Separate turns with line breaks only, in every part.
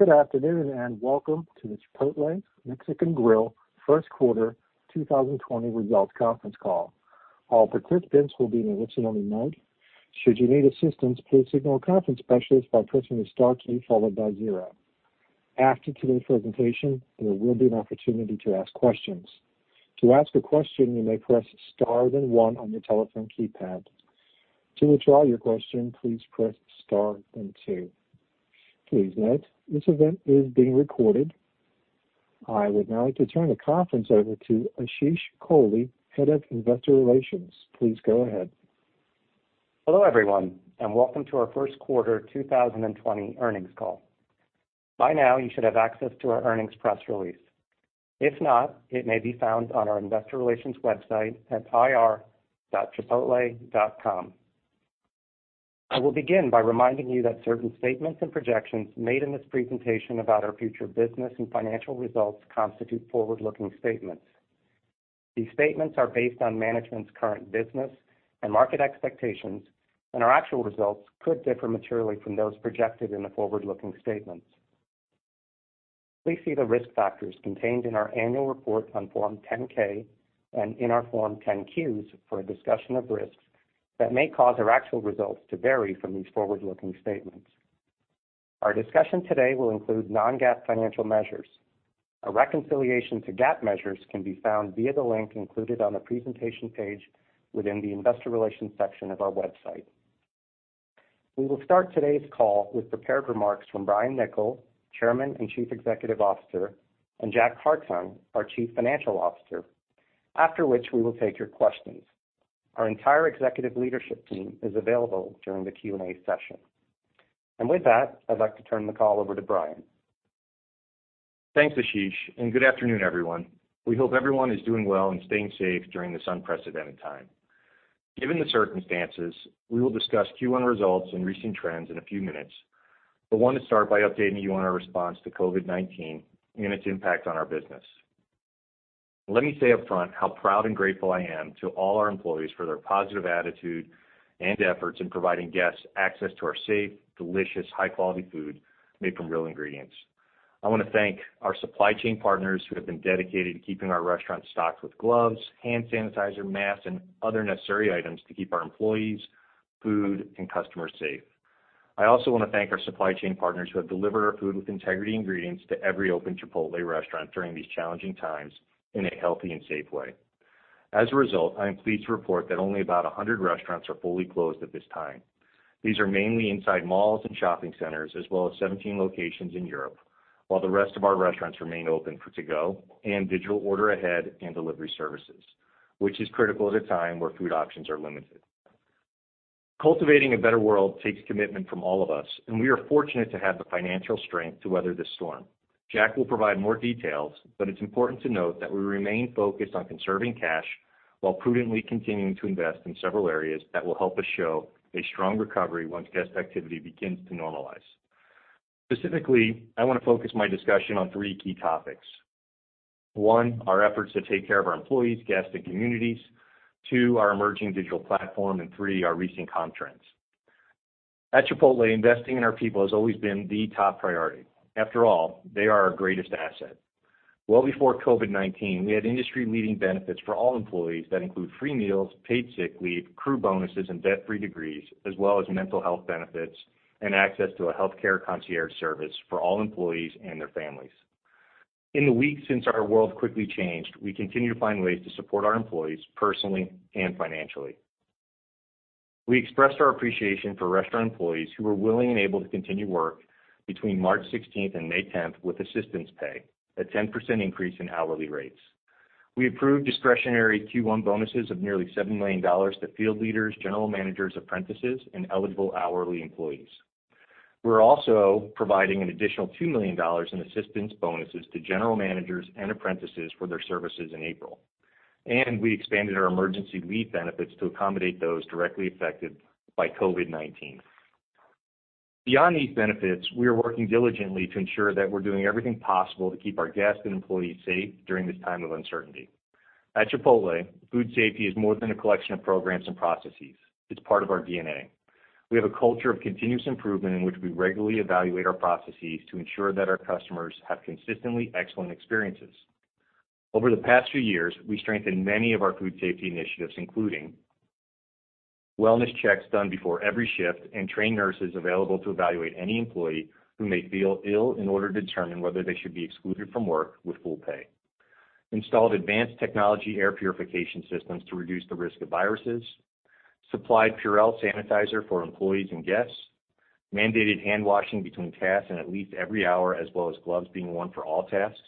Good afternoon, and welcome to the Chipotle Mexican Grill first quarter 2020 results conference call. All participants will be in a listen-only mode. Should you need assistance, please signal a conference specialist by pressing the star key followed by zero. After today's presentation, there will be an opportunity to ask questions. To ask a question, you may press star, then one on your telephone keypad. To withdraw your question, please press star, then two. Please note, this event is being recorded. I would now like to turn the conference over to Ashish Kohli, Head of Investor Relations. Please go ahead.
Hello, everyone, and welcome to our first quarter 2020 earnings call. By now, you should have access to our earnings press release. If not, it may be found on our Investor Relations website at ir.chipotle.com. I will begin by reminding you that certain statements and projections made in this presentation about our future business and financial results constitute forward-looking statements. These statements are based on management's current business and market expectations, and our actual results could differ materially from those projected in the forward-looking statements. Please see the risk factors contained in our annual report on Form 10-K and in our Form 10-Q for a discussion of risks that may cause our actual results to vary from these forward-looking statements. Our discussion today will include non-GAAP financial measures. A reconciliation to GAAP measures can be found via the link included on the presentation page within the Investor Relations section of our website. We will start today's call with prepared remarks from Brian Niccol, Chairman and Chief Executive Officer, and Jack Hartung, our Chief Financial Officer, after which we will take your questions. Our entire executive leadership team is available during the Q&A session. With that, I'd like to turn the call over to Brian.
Thanks, Ashish. Good afternoon, everyone. We hope everyone is doing well and staying safe during this unprecedented time. Given the circumstances, we will discuss Q1 results and recent trends in a few minutes, but want to start by updating you on our response to COVID-19 and its impact on our business. Let me say upfront how proud and grateful I am to all our employees for their positive attitude and efforts in providing guests access to our safe, delicious, high-quality food made from real ingredients. I want to thank our supply chain partners who have been dedicated to keeping our restaurants stocked with gloves, hand sanitizer, masks, and other necessary items to keep our employees, food, and customers safe. I also want to thank our supply chain partners who have delivered our Food With Integrity ingredients to every open Chipotle restaurant during these challenging times in a healthy and safe way. As a result, I am pleased to report that only about 100 restaurants are fully closed at this time. These are mainly inside malls and shopping centers, as well as 17 locations in Europe, while the rest of our restaurants remain open for to-go and digital order ahead and delivery services, which is critical at a time where food options are limited. Cultivating a better world takes commitment from all of us, and we are fortunate to have the financial strength to weather this storm. Jack will provide more details, but it's important to note that we remain focused on conserving cash while prudently continuing to invest in several areas that will help us show a strong recovery once guest activity begins to normalize. Specifically, I want to focus my discussion on three key topics. One, our efforts to take care of our employees, guests, and communities. Two, our emerging digital platform., and three, our recent comp trends. At Chipotle, investing in our people has always been the top priority. After all, they are our greatest asset. Well before COVID-19, we had industry-leading benefits for all employees that include free meals, paid sick leave, crew bonuses, and debt-free degrees, as well as mental health benefits and access to a healthcare concierge service for all employees and their families. In the weeks since our world quickly changed, we continue to find ways to support our employees personally and financially. We expressed our appreciation for restaurant employees who were willing and able to continue work between March 16th and May 10th with assistance pay, a 10% increase in hourly rates. We approved discretionary Q1 bonuses of nearly $7 million to field leaders, general managers, apprentices, and eligible hourly employees. We're also providing an additional $2 million in assistance bonuses to general managers and apprentices for their services in April. We expanded our emergency leave benefits to accommodate those directly affected by COVID-19. Beyond these benefits, we are working diligently to ensure that we're doing everything possible to keep our guests and employees safe during this time of uncertainty. At Chipotle, food safety is more than a collection of programs and processes. It's part of our DNA. We have a culture of continuous improvement in which we regularly evaluate our processes to ensure that our customers have consistently excellent experiences. Over the past few years, we strengthened many of our food safety initiatives, including wellness checks done before every shift and trained nurses available to evaluate any employee who may feel ill in order to determine whether they should be excluded from work with full pay. We installed advanced technology air purification systems to reduce the risk of viruses. We supplied Purell sanitizer for employees and guests. We mandated handwashing between tasks and at least every hour, as well as gloves being worn for all tasks.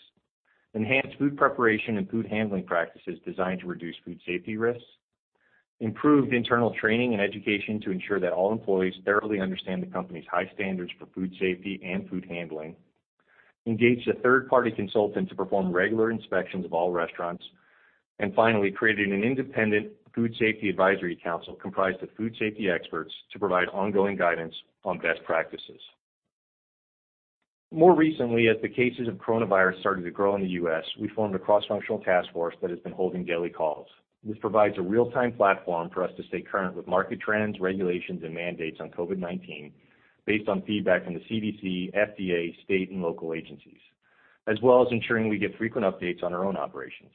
We enhanced food preparation and food handling practices designed to reduce food safety risks. We improved internal training and education to ensure that all employees thoroughly understand the company's high standards for food safety and food handling. Engaged a third-party consultant to perform regular inspections of all restaurants. Finally, created an independent food safety advisory council comprised of food safety experts to provide ongoing guidance on best practices. More recently, as the cases of coronavirus started to grow in the U.S., we formed a cross-functional task force that has been holding daily calls. This provides a real-time platform for us to stay current with market trends, regulations, and mandates on COVID-19 based on feedback from the CDC, FDA, state, and local agencies, as well as ensuring we get frequent updates on our own operations.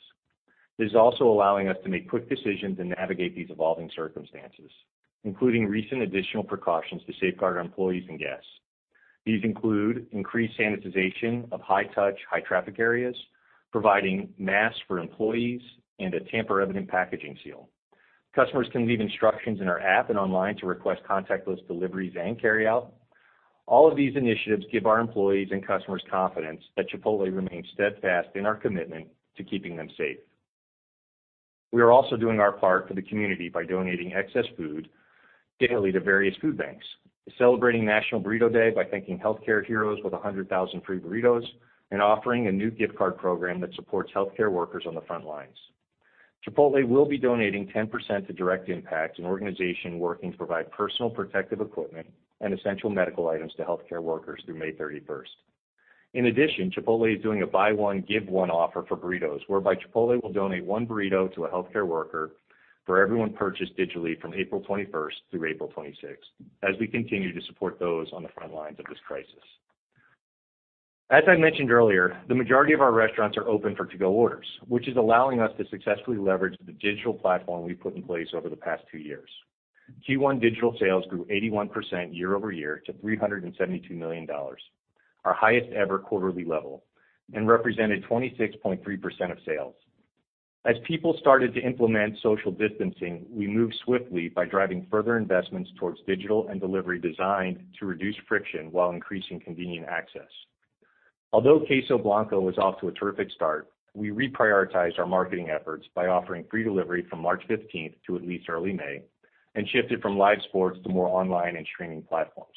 This is also allowing us to make quick decisions and navigate these evolving circumstances, including recent additional precautions to safeguard our employees and guests. These include increased sanitization of high-touch, high-traffic areas, providing masks for employees, and a tamper-evident packaging seal. Customers can leave instructions in our app and online to request contactless deliveries and carryout. All of these initiatives give our employees and customers confidence that Chipotle remains steadfast in our commitment to keeping them safe. We are also doing our part for the community by donating excess food daily to various food banks, celebrating National Burrito Day by thanking healthcare heroes with 100,000 free burritos, and offering a new gift card program that supports healthcare workers on the front lines. Chipotle will be donating 10% to Direct Relief, an organization working to provide personal protective equipment and essential medical items to healthcare workers through May 31st. In addition, Chipotle is doing a buy one, give one offer for burritos, whereby Chipotle will donate one burrito to a healthcare worker for every one purchased digitally from April 21st through April 26th, as we continue to support those on the front lines of this crisis. As I mentioned earlier, the majority of our restaurants are open for to-go orders, which is allowing us to successfully leverage the digital platform we've put in place over the past two years. Q1 digital sales grew 81% year-over-year to $372 million, our highest-ever quarterly level, and represented 26.3% of sales. As people started to implement social distancing, we moved swiftly by driving further investments towards digital and delivery designed to reduce friction while increasing convenient access. Although Queso Blanco was off to a terrific start, we reprioritized our marketing efforts by offering free delivery from March 15th to at least early May and shifted from live sports to more online and streaming platforms.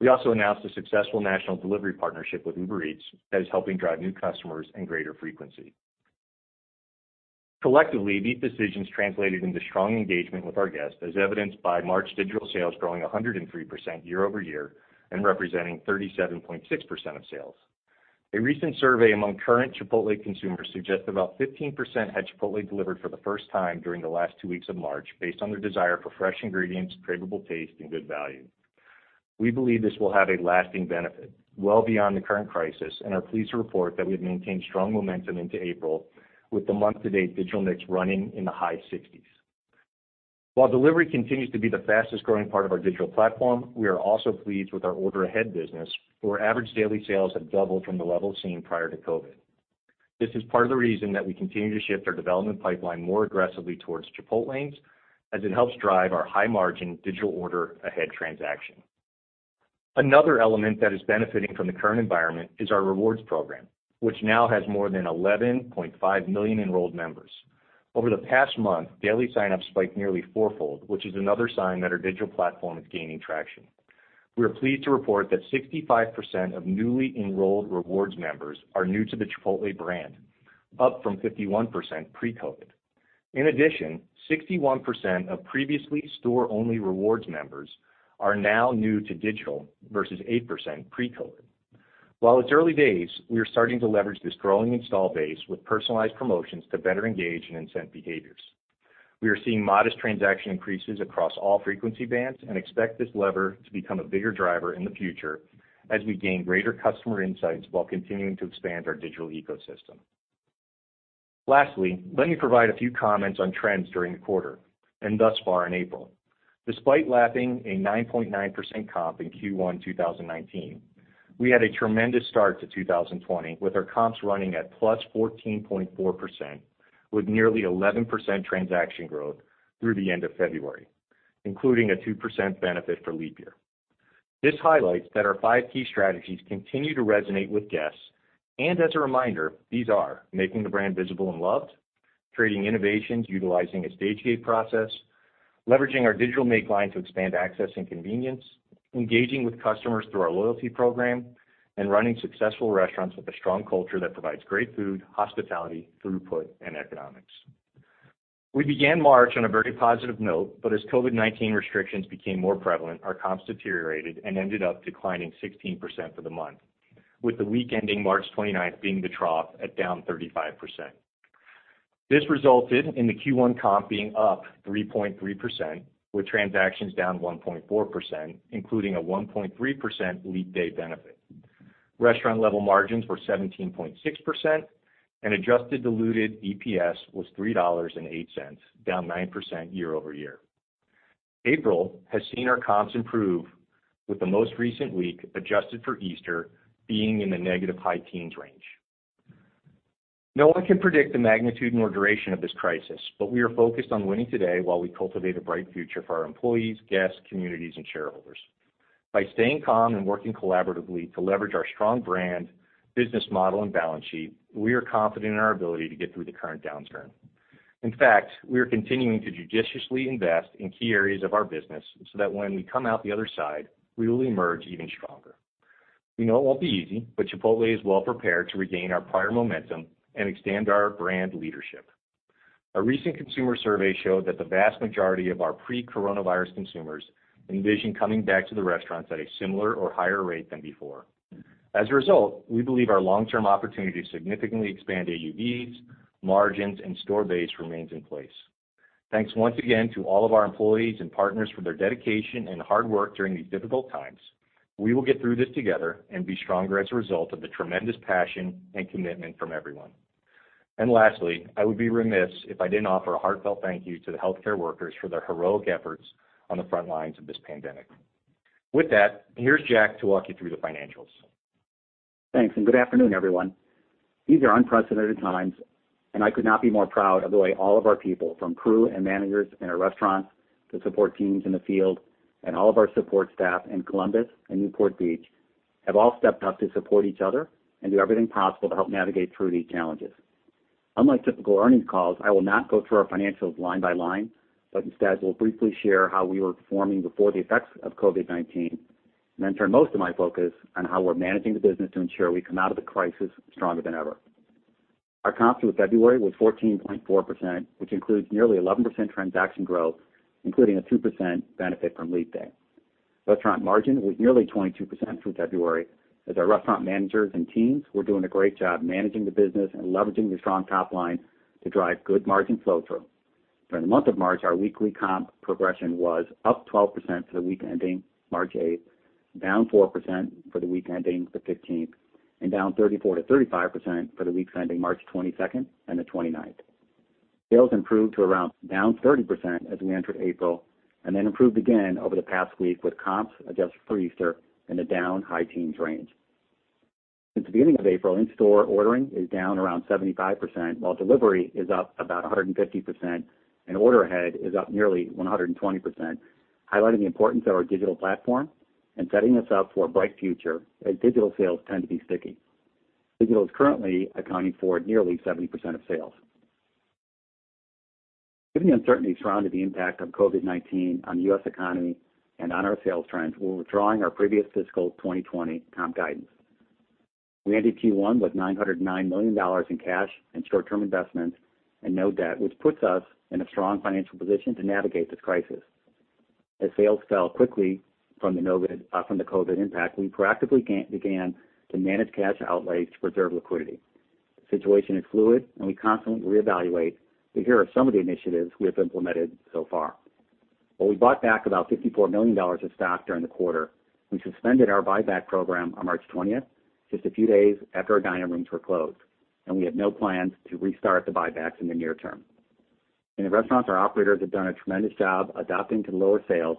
We also announced a successful national delivery partnership with Uber Eats that is helping drive new customers and greater frequency. Collectively, these decisions translated into strong engagement with our guests, as evidenced by March digital sales growing 103% year-over-year and representing 37.6% of sales. A recent survey among current Chipotle consumers suggests about 15% had Chipotle delivered for the first time during the last two weeks of March based on their desire for fresh ingredients, craveable taste, and good value. We believe this will have a lasting benefit well beyond the current crisis and are pleased to report that we have maintained strong momentum into April with the month-to-date digital mix running in the high 60%. While delivery continues to be the fastest-growing part of our digital platform, we are also pleased with our order-ahead business, where average daily sales have doubled from the levels seen prior to COVID-19. This is part of the reason that we continue to shift our development pipeline more aggressively towards Chipotlanes, as it helps drive our high-margin digital order-ahead transaction. Another element that is benefiting from the current environment is our rewards program, which now has more than 11.5 million enrolled members. Over the past month, daily signups spiked nearly fourfold, which is another sign that our digital platform is gaining traction. We are pleased to report that 65% of newly enrolled rewards members are new to the Chipotle brand, up from 51% pre-COVID. In addition, 61% of previous store-only rewards members are now new to digital versus 8% pre-COVID. While it's early days, we are starting to leverage this growing install base with personalized promotions to better engage in incent behaviors. We are seeing modest transaction increases across all frequency bands and expect this lever to become a bigger driver in the future as we gain greater customer insights while continuing to expand our digital ecosystem. Lastly, let me provide a few comments on trends during the quarter and thus far in April. Despite lapping a 9.9% comp in Q1 2019, we had a tremendous start to 2020 with our comps running at +14.4% with nearly 11% transaction growth through the end of February, including a 2% benefit for leap year. This highlights that our five key strategies continue to resonate with guests. As a reminder, these are: making the brand visible and loved, creating innovations utilizing a stage-gate process, leveraging our digital make line to expand access and convenience, engaging with customers through our loyalty program, and running successful restaurants with a strong culture that provides great food, hospitality, throughput, and economics. We began March on a very positive note, but as COVID-19 restrictions became more prevalent, our comps deteriorated and ended up declining 16% for the month, with the week ending March 29th being the trough at down 35%. This resulted in the Q1 comp being up 3.3% with transactions down 1.4%, including a 1.3% Leap Day benefit. Restaurant level margins were 17.6% and adjusted diluted EPS was $3.08, down 9% year-over-year. April has seen our comps improve with the most recent week, adjusted for Easter, being in the negative high teens range. No one can predict the magnitude nor duration of this crisis, but we are focused on winning today while we cultivate a bright future for our employees, guests, communities, and shareholders. By staying calm and working collaboratively to leverage our strong brand, business model, and balance sheet, we are confident in our ability to get through the current downturn. In fact, we are continuing to judiciously invest in key areas of our business so that when we come out the other side, we will emerge even stronger. We know it won't be easy, but Chipotle is well prepared to regain our prior momentum and extend our brand leadership. A recent consumer survey showed that the vast majority of our pre-coronavirus consumers envision coming back to the restaurants at a similar or higher rate than before. As a result, we believe our long-term opportunity to significantly expand AUVs, margins, and store base remains in place. Thanks once again to all of our employees and partners for their dedication and hard work during these difficult times. We will get through this together and be stronger as a result of the tremendous passion and commitment from everyone. Lastly, I would be remiss if I didn't offer a heartfelt thank you to the healthcare workers for their heroic efforts on the front lines of this pandemic. With that, here's Jack to walk you through the financials.
Thanks, good afternoon, everyone. These are unprecedented times, and I could not be more proud of the way all of our people, from crew and managers in our restaurants, to support teams in the field, and all of our support staff in Columbus and Newport Beach, have all stepped up to support each other and do everything possible to help navigate through these challenges. Unlike typical earnings calls, I will not go through our financials line by line, but instead will briefly share how we were performing before the effects of COVID-19, and then turn most of my focus on how we're managing the business to ensure we come out of the crisis stronger than ever. Our comp through February was 14.4%, which includes nearly 11% transaction growth, including a 2% benefit from Leap Day. Restaurant margin was nearly 22% through February, as our restaurant managers and teams were doing a great job managing the business and leveraging the strong top-line to drive good margin flow-through. During the month of March, our weekly comp progression was up 12% for the week ending March 8th, down 4% for the week ending the 15th, and down 34%-35% for the weeks ending March 22nd and the 29th. Sales improved to around down 30% as we entered April, and then improved again over the past week with comps, adjusted for Easter, in the down high teens range. Since the beginning of April, in-store ordering is down around 75%, while delivery is up about 150%, and order ahead is up nearly 120%, highlighting the importance of our digital platform and setting us up for a bright future, as digital sales tend to be sticky. Digital is currently accounting for nearly 70% of sales. Given the uncertainty surrounding the impact of COVID-19 on the U.S. economy and on our sales trends, we're withdrawing our previous fiscal 2020 comp guidance. We ended Q1 with $909 million in cash and short-term investments and no debt, which puts us in a strong financial position to navigate this crisis. As sales fell quickly from the COVID impact, we proactively began to manage cash outlay to preserve liquidity. The situation is fluid and we constantly reevaluate. Here are some of the initiatives we have implemented so far. While we bought back about $54 million of stock during the quarter, we suspended our buyback program on March 20th, just a few days after our dining rooms were closed. We have no plans to restart the buybacks in the near term. In the restaurants, our operators have done a tremendous job adapting to lower sales,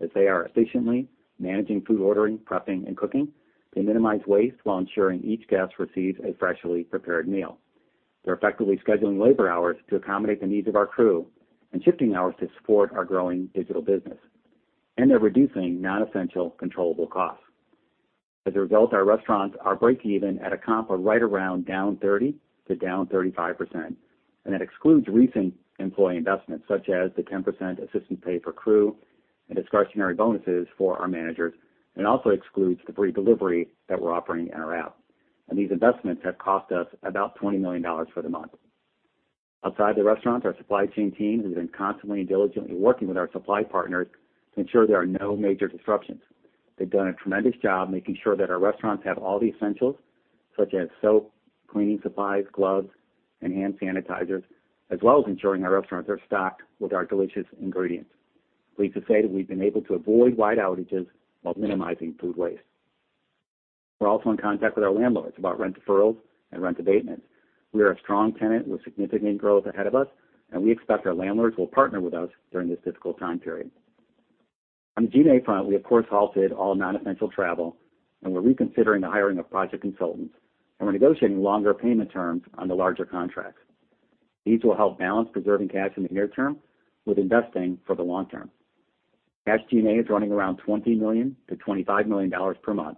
as they are efficiently managing food ordering, prepping, and cooking. They minimize waste while ensuring each guest receives a freshly prepared meal. They're effectively scheduling labor hours to accommodate the needs of our crew and shifting hours to support our growing digital business, and they're reducing non-essential controllable costs. As a result, our restaurants are breakeven at a comp of right around down 30% to down 35%, and that excludes recent employee investments such as the 10% assistance pay for crew and discretionary bonuses for our managers. It also excludes the free delivery that we're offering in our app. These investments have cost us about $20 million for the month. Outside the restaurants, our supply chain team has been constantly and diligently working with our supply partners to ensure there are no major disruptions. They've done a tremendous job making sure that our restaurants have all the essentials such as soap, cleaning supplies, gloves, and hand sanitizers, as well as ensuring our restaurants are stocked with our delicious ingredients. Pleased to say that we've been able to avoid wide outages while minimizing food waste. We're also in contact with our landlords about rent deferrals and rent abatements. We are a strong tenant with significant growth ahead of us, and we expect our landlords will partner with us during this difficult time period. On the G&A front, we, of course, halted all non-essential travel, and we're reconsidering the hiring of project consultants, and we're negotiating longer payment terms on the larger contracts. These will help balance preserving cash in the near term with investing for the long term. Cash G&A is running around $20 million-$25 million per month.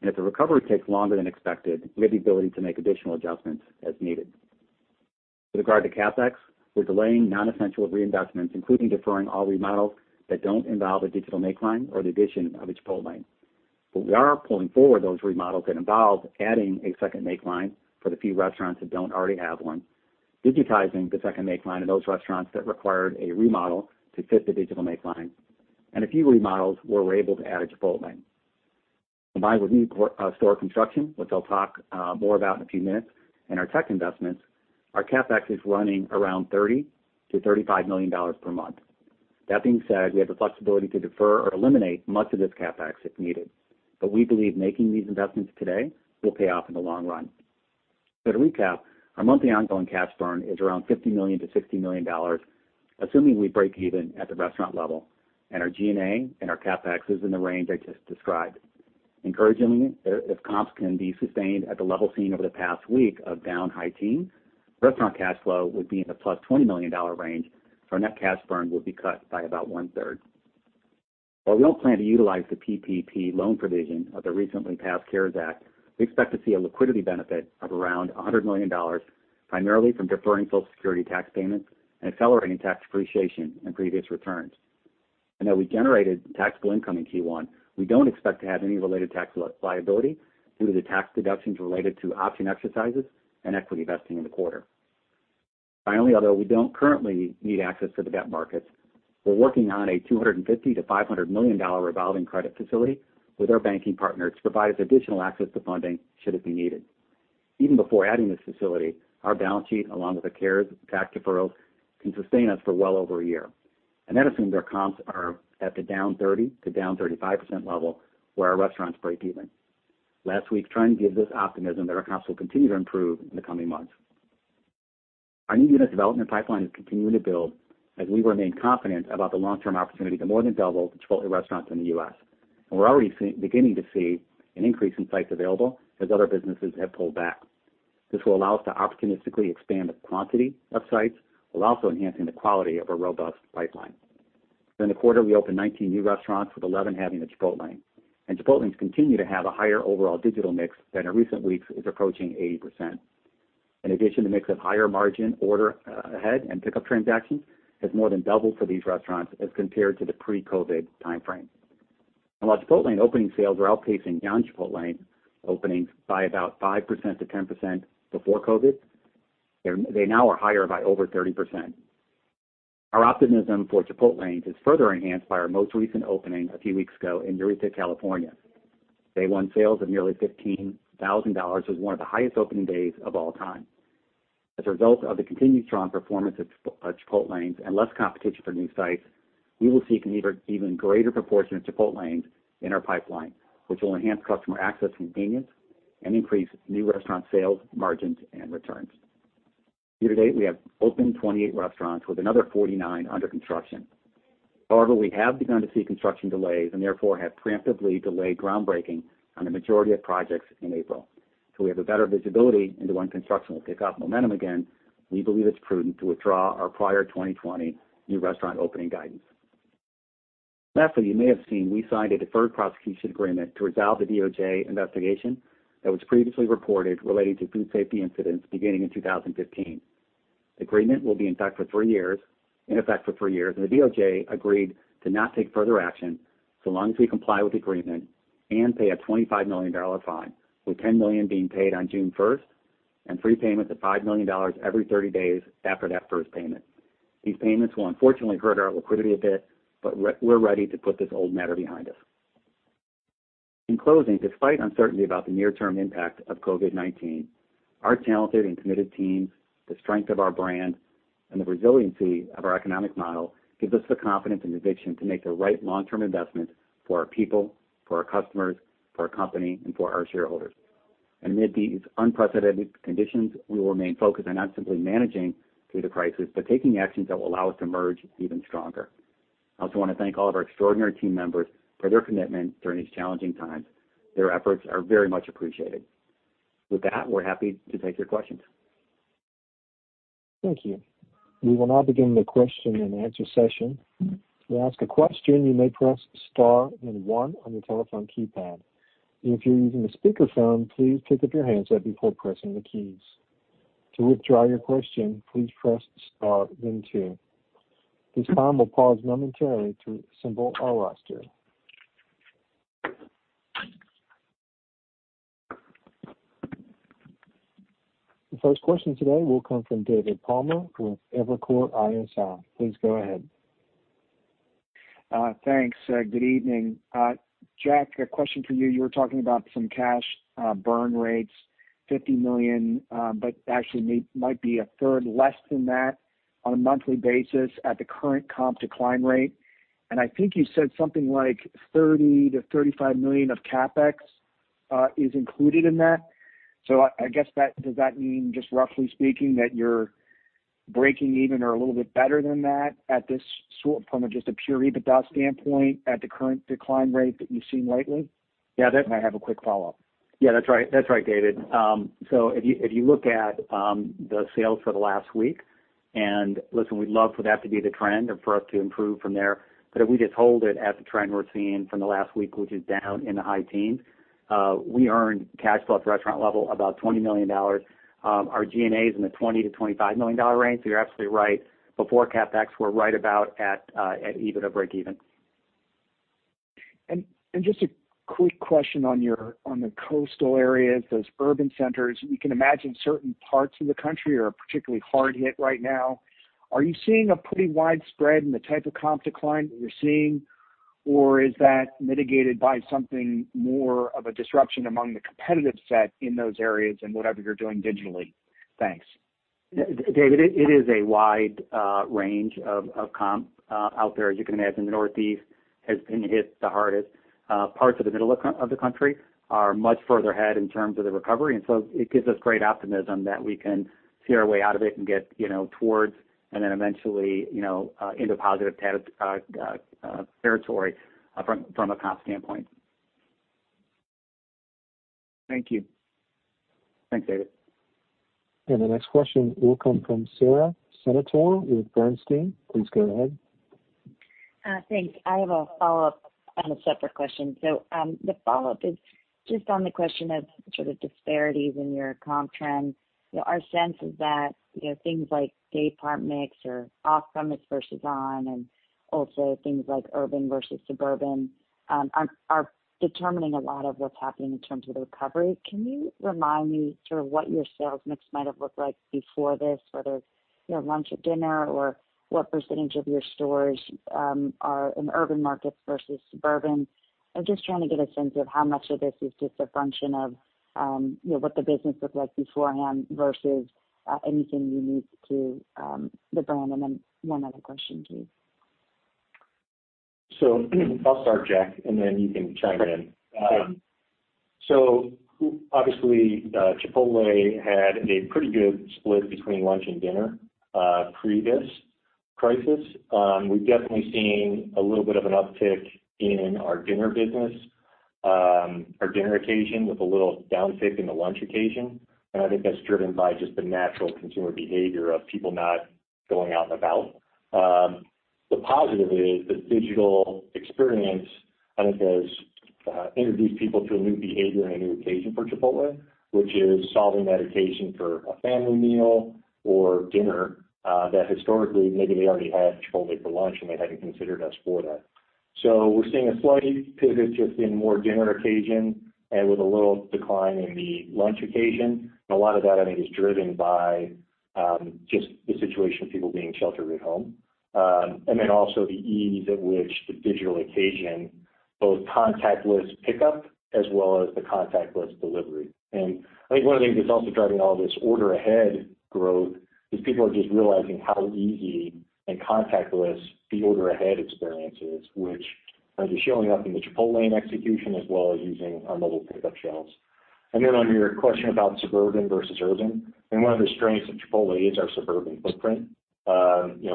If the recovery takes longer than expected, we have the ability to make additional adjustments as needed. With regard to CapEx, we're delaying non-essential reinvestments, including deferring all remodels that don't involve a digital make line or the addition of a Chipotlane. We are pulling forward those remodels that involve adding a second make line for the few restaurants that don't already have one, digitizing the second make line in those restaurants that required a remodel to fit the digital make line, and a few remodels where we're able to add a Chipotlane. Combined with new store construction, which I'll talk more about in a few minutes, and our tech investments, our CapEx is running around $30 million-$35 million per month. That being said, we have the flexibility to defer or eliminate much of this CapEx if needed, but we believe making these investments today will pay off in the long run. To recap, our monthly ongoing cash burn is around $50 million-$60 million, assuming we break even at the restaurant level and our G&A and our CapEx is in the range I just described. Encouragingly, if comps can be sustained at the level seen over the past week of down high teens, restaurant cash flow would be in the +$20 million range, so our net cash burn will be cut by about 1/3. While we don't plan to utilize the PPP loan provision of the recently passed CARES Act, we expect to see a liquidity benefit of around $100 million, primarily from deferring Social Security tax payments and accelerating tax depreciation in previous returns. We generated taxable income in Q1. We don't expect to have any related tax liability due to the tax deductions related to option exercises and equity vesting in the quarter. Finally, although we don't currently need access to the debt markets, we're working on a $250 million-$500 million revolving credit facility with our banking partner to provide us additional access to funding should it be needed. Even before adding this facility, our balance sheet, along with the CARES tax deferrals, can sustain us for well over a year. That assumes their comps are at the down 30% to down 35% level, where our restaurants break even. Last week trend gives us optimism that our comps will continue to improve in the coming months. Our new unit development pipeline is continuing to build as we remain confident about the long-term opportunity to more than double the Chipotle restaurants in the U.S. We're already beginning to see an increase in sites available as other businesses have pulled back. This will allow us to opportunistically expand the quantity of sites, while also enhancing the quality of our robust pipeline. During the quarter, we opened 19 new restaurants, with 11 having the Chipotlane. Chipotlanes continue to have a higher overall digital mix that in recent weeks is approaching 80%. In addition, the mix of higher margin order ahead and pickup transactions has more than doubled for these restaurants as compared to the pre-COVID time frame. While Chipotlane opening sales were outpacing down Chipotlane openings by about 5%-10% before COVID, they now are higher by over 30%. Our optimism for Chipotlanes is further enhanced by our most recent opening a few weeks ago in Yreka, California. Day-one sales of nearly $15,000 was one of the highest opening days of all time. As a result of the continued strong performance of Chipotlanes and less competition for new sites, we will see an even greater proportion of Chipotlanes in our pipeline, which will enhance customer access and convenience and increase new restaurant sales, margins, and returns. Year to date, we have opened 28 restaurants, with another 49 under construction. However, we have begun to see construction delays and therefore have preemptively delayed groundbreaking on the majority of projects in April. Until we have a better visibility into when construction will pick up momentum again, we believe it's prudent to withdraw our prior 2020 new restaurant opening guidance. Lastly, you may have seen we signed a deferred prosecution agreement to resolve the DOJ investigation that was previously reported relating to food safety incidents beginning in 2015. The agreement will be in effect for three years, and the DOJ agreed to not take further action so long as we comply with the agreement and pay a $25 million fine, with $10 million being paid on June 1st and three payments of $5 million every 30 days after that first payment. These payments will unfortunately hurt our liquidity a bit, but we're ready to put this old matter behind us. In closing, despite uncertainty about the near-term impact of COVID-19, our talented and committed teams, the strength of our brand, and the resiliency of our economic model gives us the confidence and the vision to make the right long-term investments for our people, for our customers, for our company, and for our shareholders. Amid these unprecedented conditions, we will remain focused on not simply managing through the crisis, but taking actions that will allow us to emerge even stronger. I also want to thank all of our extraordinary team members for their commitment during these challenging times. Their efforts are very much appreciated. With that, we're happy to take your questions.
Thank you. We will now begin the question-and-answer session. To ask a question, you may press star and one on your telephone keypad. If you're using a speakerphone, please pick up your handset before pressing the keys. To withdraw your question, please press star then two. This time, we will pause momentarily to assemble our roster. The first question today will come from David Palmer with Evercore ISI. Please go ahead.
Thanks. Good evening. Jack, a question for you. You were talking about some cash burn rates, $50 million, actually might be 1/3 less than that on a monthly basis at the current comp decline rate. I think you said something like $30 million-$35 million of CapEx is included in that. I guess, does that mean, just roughly speaking, that you're breaking even or a little bit better than that from just a pure EBITDA standpoint at the current decline rate that you've seen lately? I have a quick follow-up.
That's right, David. If you look at the sales for the last week, and listen, we'd love for that to be the trend and for us to improve from there, but if we just hold it at the trend we're seeing from the last week, which is down in the high teens, we earned cash at restaurant level about $20 million. Our G&A is in the $20 million-$25 million range. You're absolutely right. Before CapEx, we're right about at EBITDA breakeven.
Just a quick question on the coastal areas, those urban centers. You can imagine certain parts of the country are particularly hard hit right now. Are you seeing a pretty wide spread in the type of comp decline that you're seeing? Or is that mitigated by something more of a disruption among the competitive set in those areas and whatever you're doing digitally? Thanks.
David, it is a wide range of comp out there. As you can imagine, the Northeast has been hit the hardest. Parts of the middle of the country are much further ahead in terms of the recovery. It gives us great optimism that we can see our way out of it and get towards, and then eventually into positive territory from a comp standpoint.
Thank you.
Thanks, David.
The next question will come from Sara Senatore with Bernstein. Please go ahead.
Thanks. I have a follow-up and a separate question. The follow-up is just on the question of disparities in your comp trend. Our sense is that, things like day part mix or off-premise versus on, and also things like urban versus suburban, are determining a lot of what's happening in terms of the recovery. Can you remind me what your sales mix might have looked like before this, whether, lunch or dinner, or what percentage of your stores are in urban markets versus suburban? I'm just trying to get a sense of how much of this is just a function of what the business looked like beforehand versus anything unique to the brand. One other question, please.
I'll start, Jack, and then you can chime in. Obviously, Chipotle had a pretty good split between lunch and dinner, pre this crisis. We've definitely seen a little bit of an uptick in our dinner business, our dinner occasion, with a little downtick in the lunch occasion, and I think that's driven by just the natural consumer behavior of people not going out and about. The positive is the digital experience, I think has introduced people to a new behavior and a new occasion for Chipotle, which is solving that occasion for a family meal or dinner, that historically maybe they already had Chipotle for lunch and they hadn't considered us for that. We're seeing a slight pivot just in more dinner occasion and with a little decline in the lunch occasion. A lot of that, I think, is driven by just the situation of people being sheltered at home, the ease at which the digital occasion, both contactless pickup as well as the contactless delivery. I think one of the things that's also driving all this order-ahead growth is people are just realizing how easy and contactless the order-ahead experience is, which is showing up in the Chipotlane execution as well as using our mobile pickup shelves. On your question about suburban versus urban, I mean, one of the strengths of Chipotle is our suburban footprint.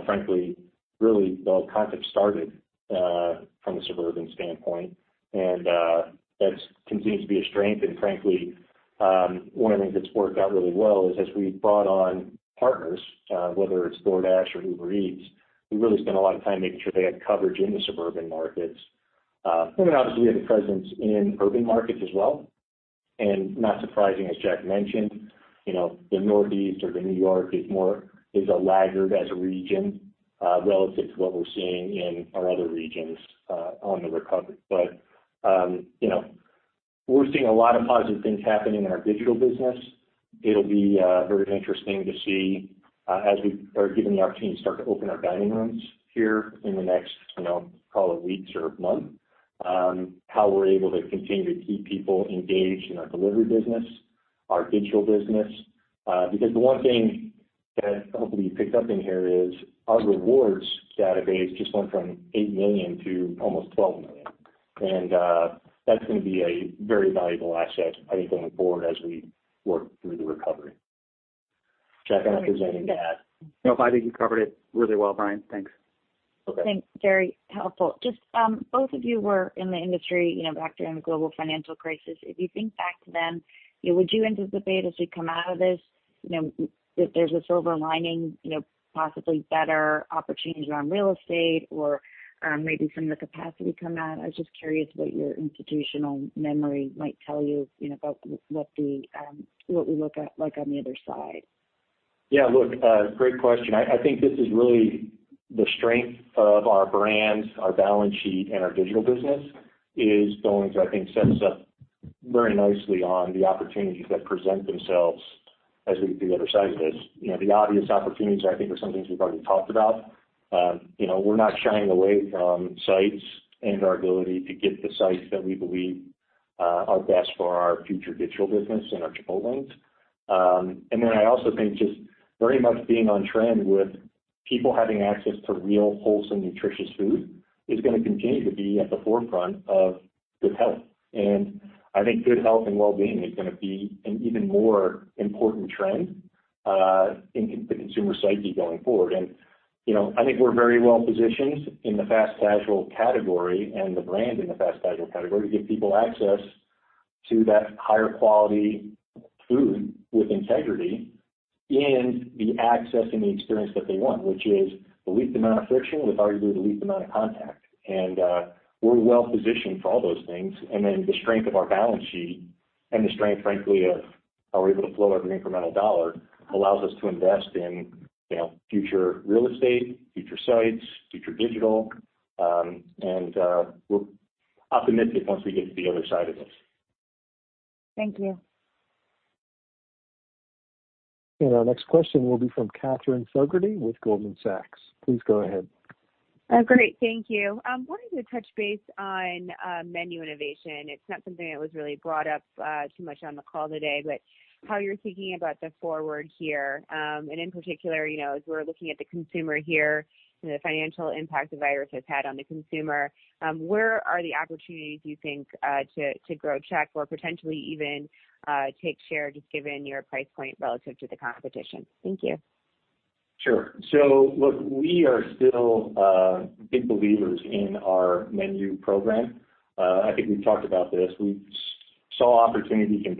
Frankly, really, the concept started from a suburban standpoint, and that continues to be a strength. Frankly, one of the things that's worked out really well is as we've brought on partners, whether it's DoorDash or Uber Eats, we really spent a lot of time making sure they had coverage in the suburban markets. Obviously, we have a presence in urban markets as well, and not surprising, as Jack mentioned, the Northeast or New York is a laggard as a region, relative to what we're seeing in our other regions on the recovery. We're seeing a lot of positive things happening in our digital business. It'll be very interesting to see as we are getting our teams start to open our dining rooms here in the next, call it weeks or month, how we're able to continue to keep people engaged in our delivery business, our digital business. The one thing that hopefully you picked up in here is our rewards database just went from 8 million to almost 12 million, and that's going to be a very valuable asset, I think, going forward as we work through the recovery. Jack, I don't know if there's anything to add.
No, I think you covered it really well, Brian. Thanks.
Thanks. Very helpful. Just, both of you were in the industry back during the global financial crisis. If you think back to then, would you anticipate as we come out of this, that there's a silver lining, possibly better opportunities around real estate or maybe some of the capacity come out? I was just curious what your institutional memory might tell you about what we look at on the other side.
Great question. I think this is really the strength of our brands, our balance sheet. Our digital business is going to, I think, set us up very nicely on the opportunities that present themselves as we get to the other side of this. The obvious opportunities, I think, are some things we've already talked about. We're not shying away from sites and our ability to get the sites that we believe are best for our future digital business and our Chipotlanes. Then I also think just very much being on trend with people having access to real, wholesome, nutritious food is going to continue to be at the forefront of good health. I think good health and wellbeing is going to be an even more important trend in the consumer psyche going forward. I think we're very well positioned in the fast casual category and the brand in the fast casual category, to give people access to that higher quality Food With Integrity and the access and the experience that they want, which is the least amount of friction with arguably the least amount of contact. We're well positioned for all those things. The strength of our balance sheet and the strength, frankly, of how we're able to flow every incremental dollar, allows us to invest in future real estate, future sites, future digital. We're optimistic once we get to the other side of this.
Thank you.
Our next question will be from Katherine Fogerty with Goldman Sachs. Please go ahead.
Great. Thank you. Wanted to touch base on menu innovation. It's not something that was really brought up too much on the call today, but how you're thinking about the forward here. In particular, as we're looking at the consumer here and the financial impact the virus has had on the consumer, where are the opportunities you think to grow check or potentially even take share, just given your price point relative to the competition? Thank you.
Sure. We are still big believers in our menu program. I think we've talked about this. We saw opportunity in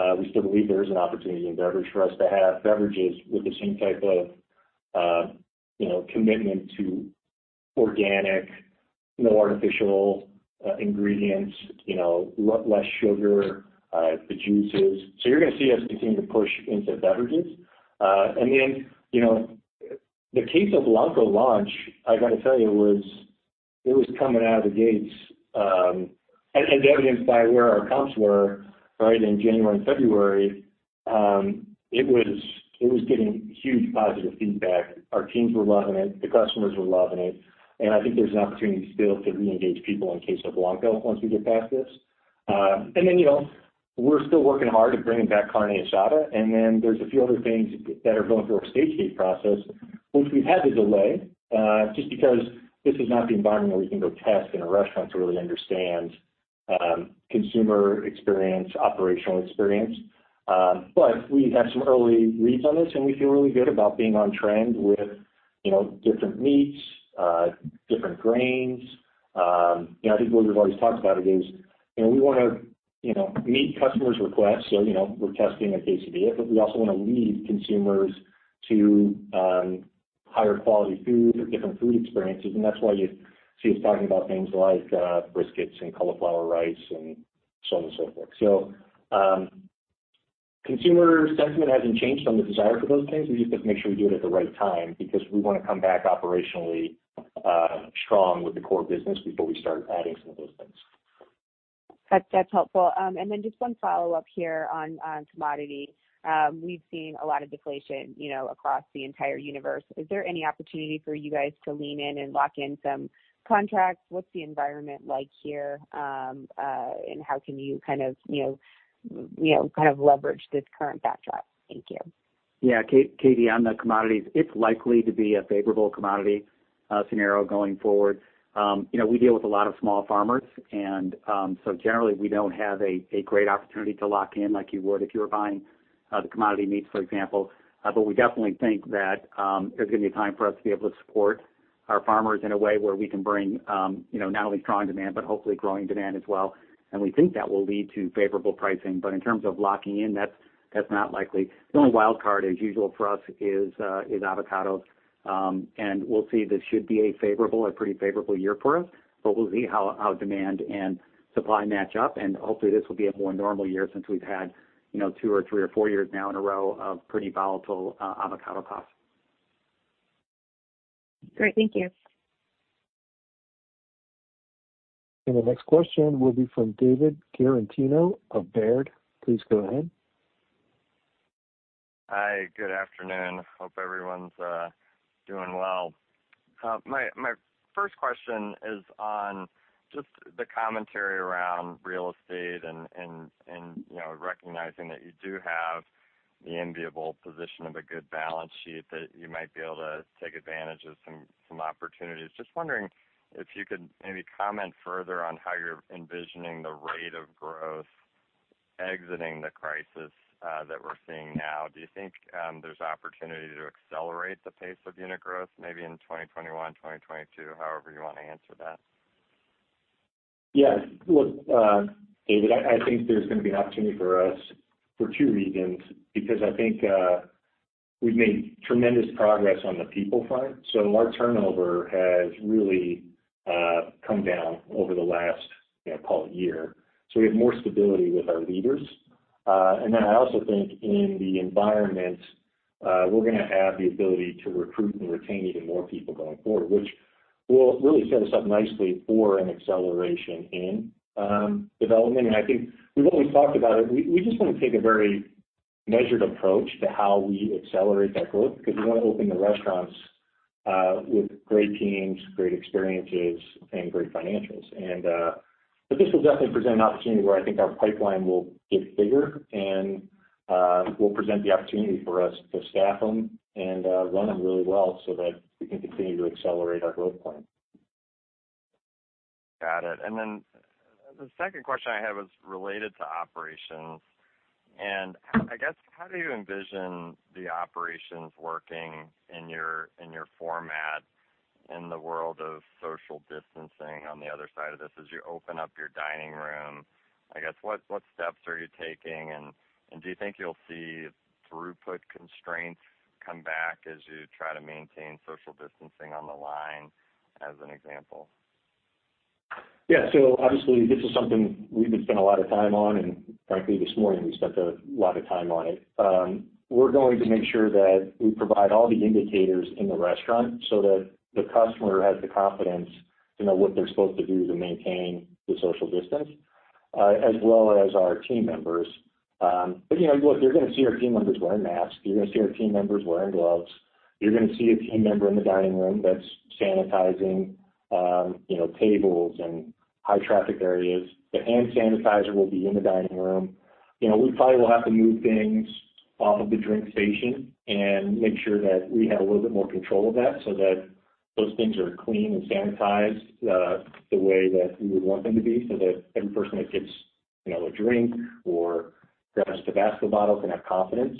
beverage. We still believe there is an opportunity in beverage for us to have beverages with the same type of commitment to organic, no artificial ingredients, less sugar, the juices. You're going to see us continue to push into beverages. The Queso Blanco launch, I got to tell you, it was coming out of the gates. Evidenced by where our comps were right in January and February, it was getting huge positive feedback. Our teams were loving it, the customers were loving it, and I think there's an opportunity still to reengage people on Queso Blanco once we get past this. We're still working hard at bringing back Carne Asada, and there's a few other things that are going through our stage-gate process, which we've had to delay, just because this is not the environment where we can go test in a restaurant to really understand consumer experience, operational experience. We have some early reads on this, and we feel really good about being on trend with different meats, different grains. I think what we've always talked about is we want to meet customers' requests, we're testing a quesadilla, we also want to lead consumers to higher quality food or different food experiences. That's why you see us talking about things like briskets and cauliflower rice, and so on and so forth. Consumer sentiment hasn't changed on the desire for those things. We just have to make sure we do it at the right time because we want to come back operationally strong with the core business before we start adding some of those things.
That's helpful. Just one follow-up here on commodity. We've seen a lot of deflation across the entire universe. Is there any opportunity for you guys to lean in and lock in some contracts? What's the environment like here? How can you leverage this current backdrop? Thank you.
Katie, on the commodities, it's likely to be a favorable commodity scenario going forward. We deal with a lot of small farmers. Generally, we don't have a great opportunity to lock in like you would if you were buying the commodity meats, for example. We definitely think that there's going to be a time for us to be able to support our farmers in a way where we can bring not only strong demand, but hopefully growing demand as well. We think that will lead to favorable pricing. In terms of locking in, that's not likely. The only wild card as usual for us is avocados. We'll see, this should be a pretty favorable year for us, but we'll see how demand and supply match up, and hopefully this will be a more normal year since we've had two or three or four years now in a row of pretty volatile avocado costs.
Great. Thank you.
The next question will be from David Tarantino of Baird. Please go ahead.
Hi, good afternoon. Hope everyone's doing well. My first question is on just the commentary around real estate and recognizing that you do have the enviable position of a good balance sheet that you might be able to take advantage of some opportunities. Just wondering if you could maybe comment further on how you're envisioning the rate of growth exiting the crisis that we're seeing now. Do you think there's opportunity to accelerate the pace of unit growth maybe in 2021, 2022? However you want to answer that.
David, I think there's going to be an opportunity for us for two reasons. I think we've made tremendous progress on the people front. Our turnover has really come down over the last call it year. We have more stability with our leaders. I also think in the environment, we're going to have the ability to recruit and retain even more people going forward, which will really set us up nicely for an acceleration in development. I think we've always talked about it. We just want to take a very measured approach to how we accelerate that growth because we want to open the restaurants with great teams, great experiences, and great financials. This will definitely present an opportunity where I think our pipeline will get bigger and will present the opportunity for us to staff them and run them really well so that we can continue to accelerate our growth plan.
Got it. The second question I had was related to operations. I guess how do you envision the operations working in your format in the world of social distancing on the other side of this as you open up your dining room? I guess what steps are you taking and do you think you'll see throughput constraints come back as you try to maintain social distancing on the line as an example?
Obviously this is something we've spent a lot of time on, and frankly this morning we spent a lot of time on it. We're going to make sure that we provide all the indicators in the restaurant so that the customer has the confidence to know what they're supposed to do to maintain the social distance, as well as our team members. You know what? You're going to see our team members wearing masks. You're going to see our team members wearing gloves. You're going to see a team member in the dining room that's sanitizing tables and high-traffic areas. The hand sanitizer will be in the dining room. We probably will have to move things off of the drink station and make sure that we have a little bit more control of that so that those things are clean and sanitized, the way that we would want them to be so that every person that gets a drink or grabs a beverage bottle can have confidence.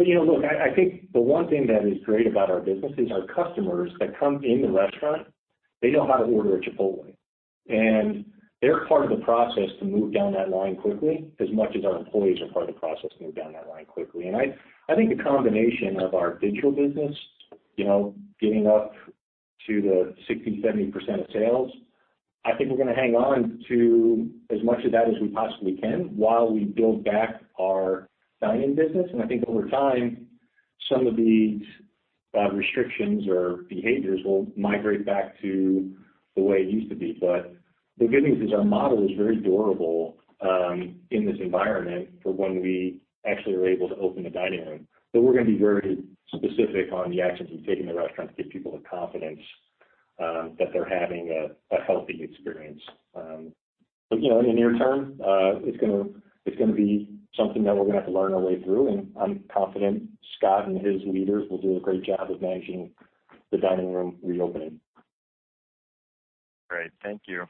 I think the one thing that is great about our business is our customers that come in the restaurant, they know how to order at Chipotle, and they're part of the process to move down that line quickly as much as our employees are part of the process to move down that line quickly. I think a combination of our digital business, getting up to the 60%, 70% of sales, I think we're going to hang on to as much of that as we possibly can while we build back our dine-in business. I think over time, some of these restrictions or behaviors will migrate back to the way it used to be. The good news is our model is very durable in this environment for when we actually are able to open the dining area. We're going to be very specific on the actions we take in the restaurant to give people the confidence that they're having a healthy experience. In the near term, it's going to be something that we're going to have to learn our way through, and I'm confident Scott and his leaders will do a great job of managing the dining room reopening.
Great. Thank you.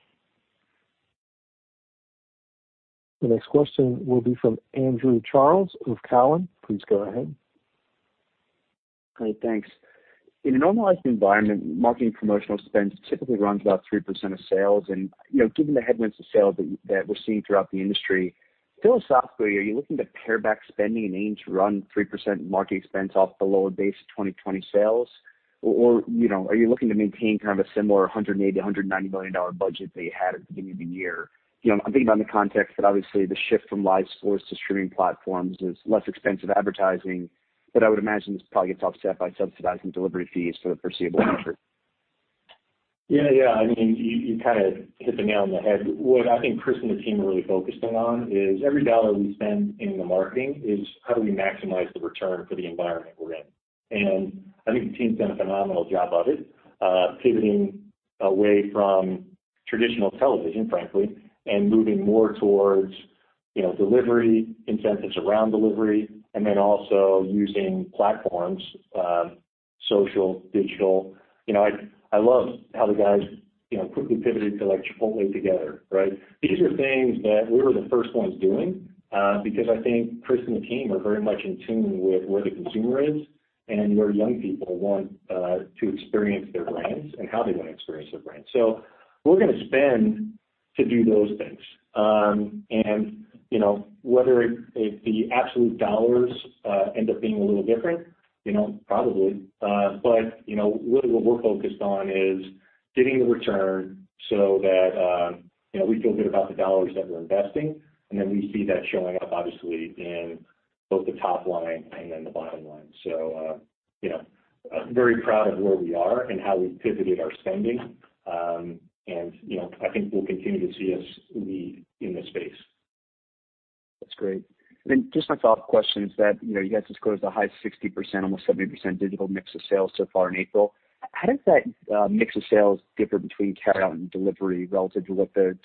The next question will be from Andrew Charles with Cowen. Please go ahead.
Great. Thanks. In a normalized environment, marketing promotional spend typically runs about 3% of sales and, given the headwinds to sales that we're seeing throughout the industry, philosophically, are you looking to pare back spending and aim to run 3% marketing spend off the lower base of 2020 sales? Are you looking to maintain a similar $180 million, $190 million budget that you had at the beginning of the year? I'm thinking about in the context that obviously the shift from live sports to streaming platforms is less expensive advertising, but I would imagine this probably gets offset by subsidizing delivery fees for the foreseeable future.
You hit the nail on the head. What I think Chris and the team are really focusing on is every dollar we spend in the marketing is how do we maximize the return for the environment we're in. I think the team's done a phenomenal job of it, pivoting away from traditional television, frankly, and moving more towards delivery, incentives around delivery, and then also using platforms, social, digital. I love how the guys quickly pivoted to Chipotle Together. These are things that we were the first ones doing, because I think Chris and the team are very much in tune with where the consumer is and where young people want to experience their brands and how they want to experience their brands. We're going to spend to do those things. Whether the absolute dollars end up being a little different, probably. Really what we're focused on is getting the return so that we feel good about the dollars that we're investing, and then we see that showing up obviously in both the top line and then the bottom line. Very proud of where we are and how we've pivoted our spending. I think we'll continue to see us lead in this space.
That's great. Just my follow-up question is that, you guys just quoted a high 60%, almost 70% digital mix of sales so far in April. How does that mix of sales differ between carryout and delivery relative to the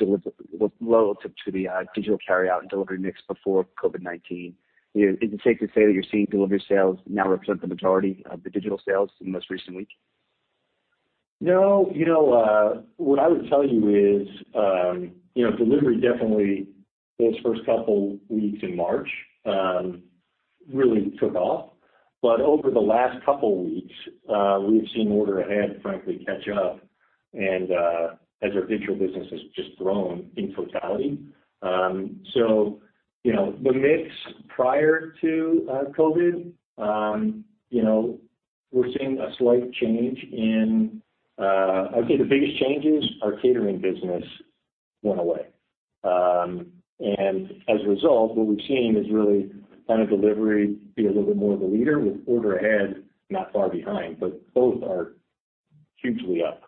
digital carryout and delivery mix before COVID-19? Is it safe to say that you're seeing delivery sales now represent the majority of the digital sales in this recent week?
No. What I would tell you is, delivery definitely, those first couple weeks in March, really took off. Over the last couple weeks, we've seen order ahead, frankly, catch up and as our digital business has just grown in totality. The mix prior to COVID, I would say the biggest changes, our catering business went away. As a result, what we've seen is really delivery be a little bit more of a leader with order ahead not far behind, but both are hugely up.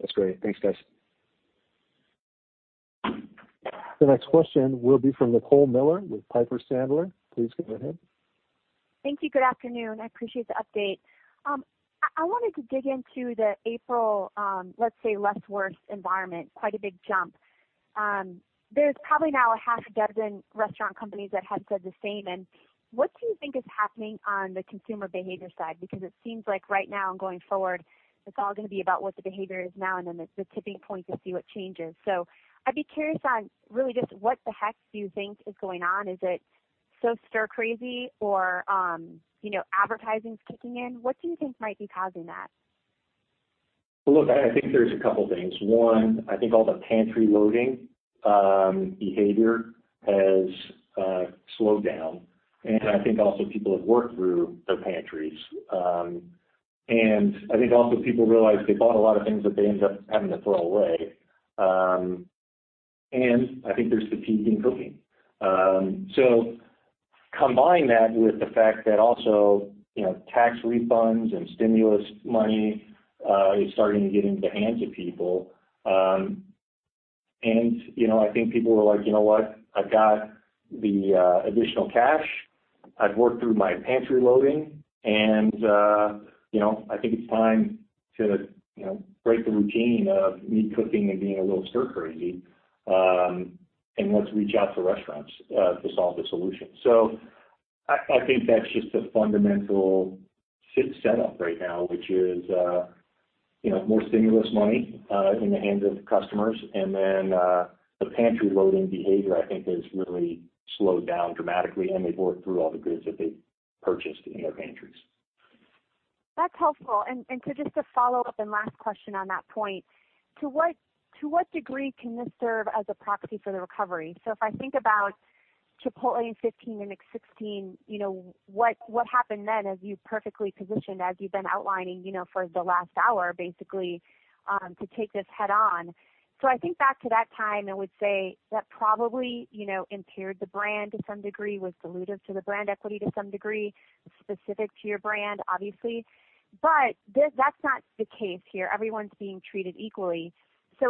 That's great. Thanks, guys.
The next question will be from Nicole Miller with Piper Sandler. Please go ahead.
Thank you. Good afternoon. I appreciate the update. I wanted to dig into the April, let's say less worse environment, quite a big jump. There's probably now a half a dozen restaurant companies that have said the same. What do you think is happening on the consumer behavior side? It seems like right now and going forward, it's all going to be about what the behavior is now, and then the tipping point to see what changes. I'd be curious on really just what the heck do you think is going on. Is it stir crazy or advertising's kicking in? What do you think might be causing that?
I think there's a couple things. One, I think all the pantry-loading behavior has slowed down, and I think also people have worked through their pantries. I think also people realize they bought a lot of things that they end up having to throw away. I think there's fatigue in cooking. Combine that with the fact that also, tax refunds and stimulus money is starting to get into the hands of people, and I think people were like, you know what? I've got the additional cash. I've worked through my pantry loading, and I think it's time to break the routine of me cooking and being a little stir crazy, and let's reach out to restaurants to solve the problem. I think that's just a fundamental shift set up right now, which is more stimulus money in the hands of customers. The pantry-loading behavior, I think, has really slowed down dramatically, and they've worked through all the goods that they purchased in their pantries.
That's helpful. Just to follow up, and last question on that point, to what degree can this serve as a proxy for the recovery? If I think about Chipotle in 2015 and 2016, what happened then, as you perfectly positioned, as you've been outlining for the last hour, basically, to take this head on. I think back to that time, I would say that probably impaired the brand to some degree, was dilutive to the brand equity to some degree, specific to your brand, obviously. That's not the case here. Everyone's being treated equally.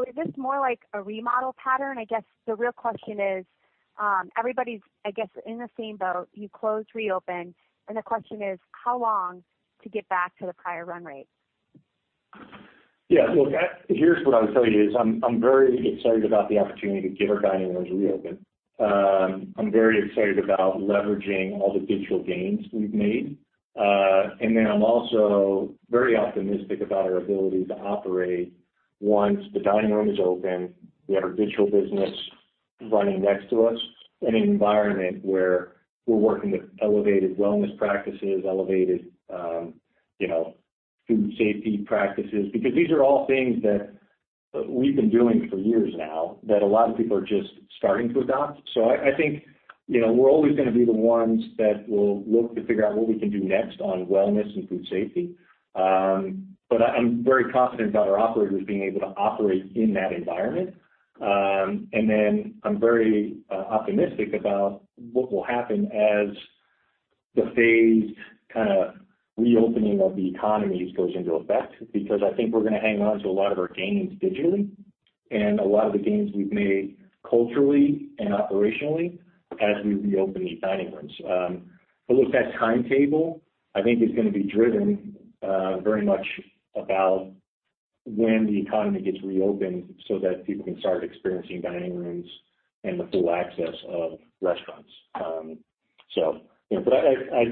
Is this more like a remodel pattern? I guess the real question is, everybody's, I guess, in the same boat. You close, reopen, and the question is, how long to get back to the prior run rate?
Here's what I would tell you is I'm very excited about the opportunity to get our dining rooms reopen. I'm very excited about leveraging all the digital gains we've made. I'm also very optimistic about our ability to operate once the dining rooms open, we have our digital business running next to us in an environment where we're working with elevated wellness practices, elevated food safety practices. These are all things that we've been doing for years now that a lot of people are just starting to adopt. I think we're always going to be the ones that will look to figure out what we can do next on wellness and food safety. I'm very confident about our operators being able to operate in that environment. I'm very optimistic about what will happen as the phased kind of reopening of the economies goes into effect, because I think we're going to hang on to a lot of our gains digitally and a lot of the gains we've made culturally and operationally as we reopen these dining rooms. That timetable, I think, is going to be driven very much about when the economy gets reopened so that people can start experiencing dining rooms and the full access of restaurants.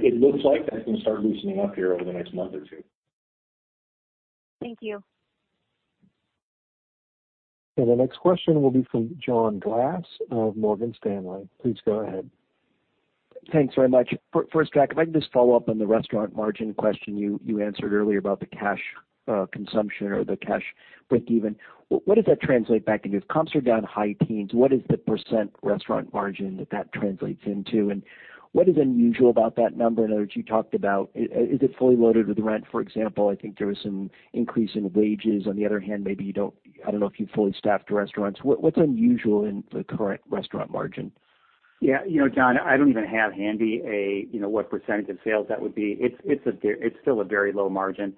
It looks like that's going to start loosening up here over the next month or two.
Thank you.
The next question will be from John Glass of Morgan Stanley. Please go ahead.
Thanks very much. First, Jack, if I can just follow up on the restaurant margin question you answered earlier about the cash consumption or the cash breakeven. What does that translate back into? If comps are down high teens, what is the percent restaurant margin that that translates into, and what is unusual about that number? Is it fully loaded with rent, for example? I think there was some increase in wages. On the other hand, maybe I don't know if you fully staffed restaurants. What's unusual in the current restaurant margin?
John, I don't even have handy what percentage of sales that would be. It's still a very low margin.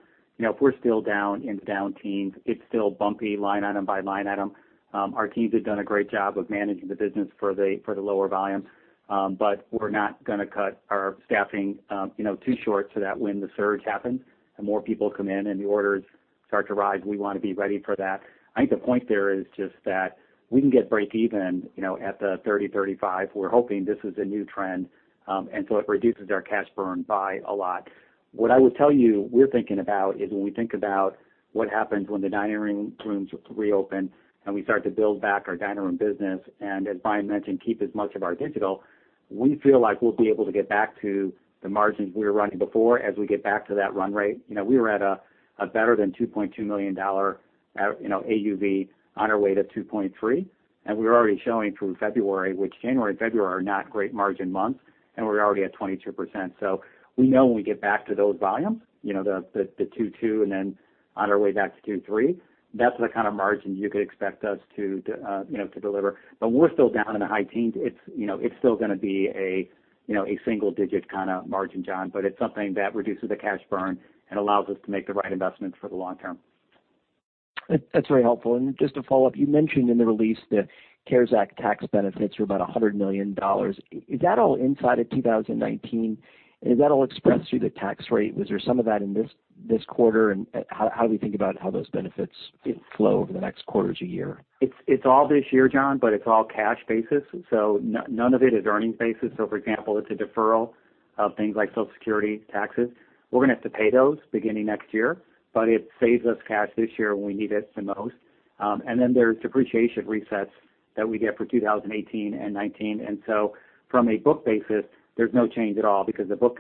If we're still down in the down teens, it's still bumpy line item by line item. Our teams have done a great job of managing the business for the lower volumes. We're not going to cut our staffing too short so that when the surge happens and more people come in and the orders start to rise, we want to be ready for that. I think the point there is just that we can get breakeven at the 30%-35%. We're hoping this is a new trend, and so it reduces our cash burn by a lot. What I would tell you we're thinking about is when we think about what happens when the dining rooms reopen and we start to build back our dining room business, and as Brian mentioned, keep as much of our digital, we feel like we'll be able to get back to the margins we were running before as we get back to that run rate. We were at a better than $2.2 million AUV on our way to $2.3 million, and we were already showing through February, which January and February are not great margin months, and we're already at 22%. We know when we get back to those volumes, the $2.2 million and then on our way back to $2.3 million, that's the kind of margin you could expect us to deliver. We're still down in the high teens. It's still going to be a single-digit kind of margin, John, but it's something that reduces the cash burn and allows us to make the right investments for the long term.
That's very helpful. Just to follow up, you mentioned in the release that CARES Act tax benefits were about $100 million. Is that all inside of 2019? Is that all expressed through the tax rate? Was there some of that in this quarter, and how do we think about how those benefits flow over the next quarters or year?
It's all this year, John. It's all cash basis, so none of it is earnings basis. For example, it's a deferral of things like Social Security taxes. We're going to have to pay those beginning next year. It saves us cash this year when we need it the most. There's depreciation resets that we get for 2018 and 2019. From a book basis, there's no change at all because the book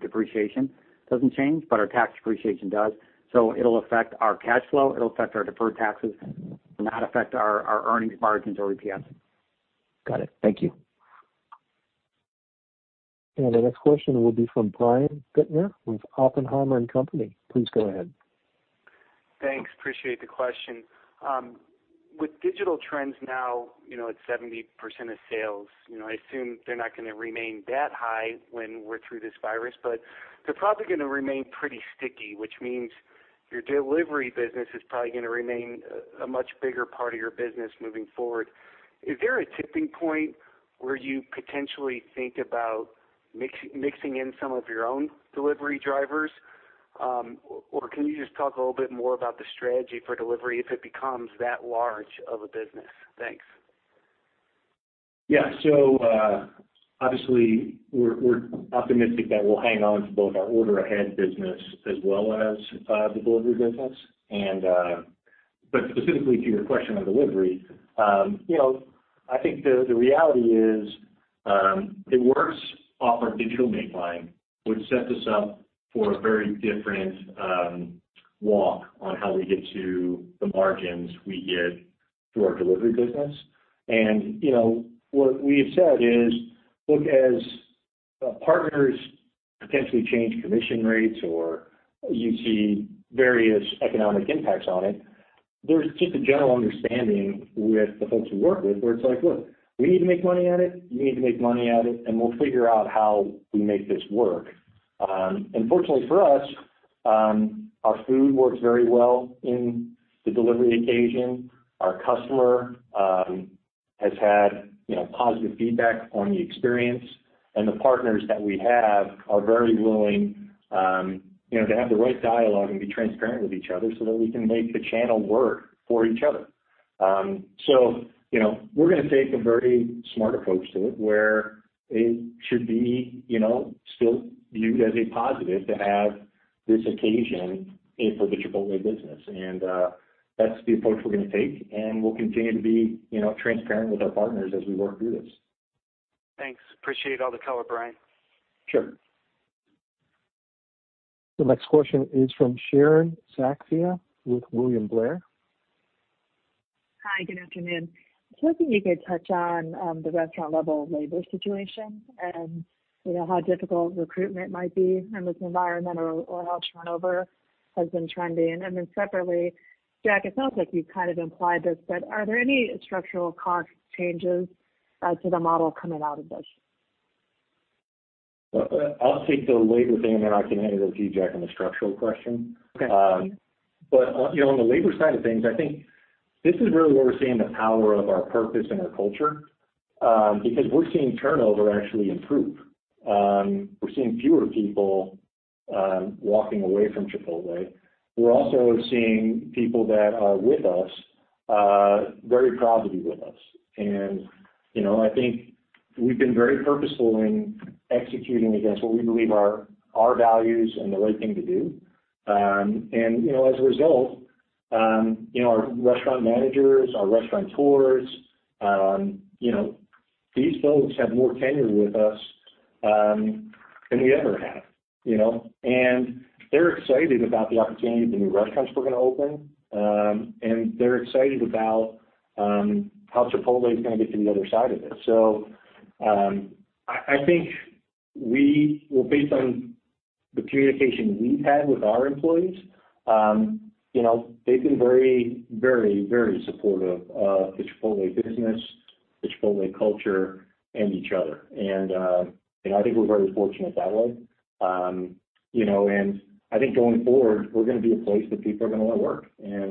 depreciation doesn't change, but our tax depreciation does. It'll affect our cash flow, it'll affect our deferred taxes, will not affect our earnings margins or EPS.
Got it. Thank you.
The next question will be from Brian Bittner with Oppenheimer & Co. Please go ahead.
Thanks. Appreciate the question. With digital trends now at 70% of sales, I assume they're not going to remain that high when we're through this virus. They're probably going to remain pretty sticky, which means your delivery business is probably going to remain a much bigger part of your business moving forward. Is there a tipping point where you potentially think about mixing in some of your own delivery drivers? Can you just talk a little bit more about the strategy for delivery if it becomes that large of a business? Thanks.
Obviously, we're optimistic that we're going to hang on to both our order-ahead business as well as the delivery business. Specifically to your question on delivery, I think the reality is, it works off our digital make line, which sets us up for a very different walk on how we get to the margins we get through our delivery business. What we have said is, as partners potentially change commission rates or you see various economic impacts on it, there's just a general understanding with the folks we work with where it's like, look, we need to make money at it, you need to make money at it, and we'll figure out how we make this work. Fortunately for us, our food works very well in the delivery occasion. Our customer has had positive feedback on the experience, the partners that we have are very willing to have the right dialogue and be transparent with each other so that we can make the channel work for each other. We're going to take a very smart approach to it, where it should be still viewed as a positive to have this occasion for the Chipotle business. That's the approach we're going to take, and we'll continue to be transparent with our partners as we work through this.
Thanks. Appreciate all the color, Brian.
Sure.
The next question is from Sharon Zackfia with William Blair.
Hi, good afternoon. I was hoping you could touch on the restaurant level labor situation and how difficult recruitment might be in this environment or how turnover has been trending. Separately, Jack, it sounds like you've kind of implied this, but are there any structural cost changes to the model coming out of this?
I'll take the labor thing, and then I can hand it over to you, Jack, on the structural question. On the labor side of things, I think this is really where we're seeing the power of our purpose and our culture, because we're seeing turnover actually improve. We're seeing fewer people walking away from Chipotle. We're also seeing people that are with us very proud to be with us. I think we've been very purposeful in executing against what we believe are our values and the right thing to do. As a result, our restaurant managers, our restaurateurs, these folks have more tenure with us than we ever have. They're excited about the opportunity of the new restaurants we're going to open. They're excited about how Chipotle is going to get to the other side of this. I think based on the communication we've had with our employees, they've been very supportive of the Chipotle business, the Chipotle culture, and each other. I think we're very fortunate that way. I think going forward, we're going to be a place that people are going to want to work. We're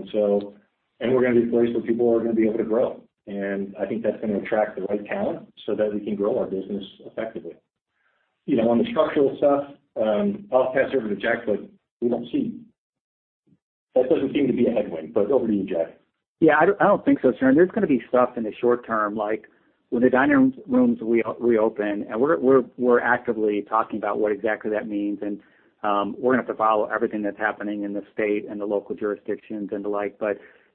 going to be a place where people are going to be able to grow. I think that's going to attract the right talent so that we can grow our business effectively. On the structural stuff, I'll pass it over to Jack, but that doesn't seem to be a headwind. Over to you, Jack.
I don't think so, Sharon. There's going to be stuff in the short term, like when the dining rooms reopen, we're actively talking about what exactly that means, and we're going to have to follow everything that's happening in the state and the local jurisdictions and the like.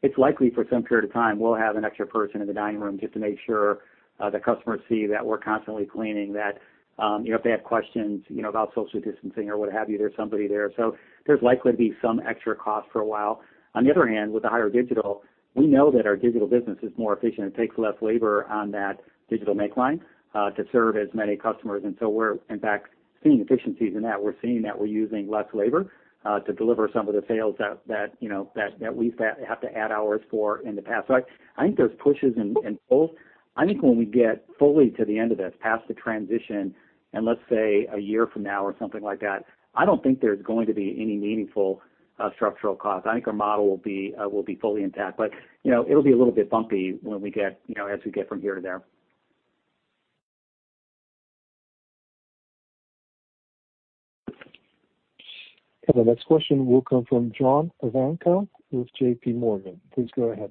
It's likely for some period of time, we'll have an extra person in the dining room just to make sure that customers see that we're constantly cleaning, that if they have questions about social distancing or what have you, there's somebody there. There's likely to be some extra cost for a while. On the other hand, with the higher digital, we know that our digital business is more efficient. It takes less labor on that digital make line to serve as many customers. We're in fact seeing efficiencies in that. We're seeing that we're using less labor to deliver some of the sales that we've had to add hours for in the past. I think there's pushes and pulls. I think when we get fully to the end of this, past the transition, and let's say a year from now or something like that, I don't think there's going to be any meaningful structural cost. I think our model will be fully intact. It'll be a little bit bumpy as we get from here to there.
The next question will come from John Ivankoe with JPMorgan. Please go ahead.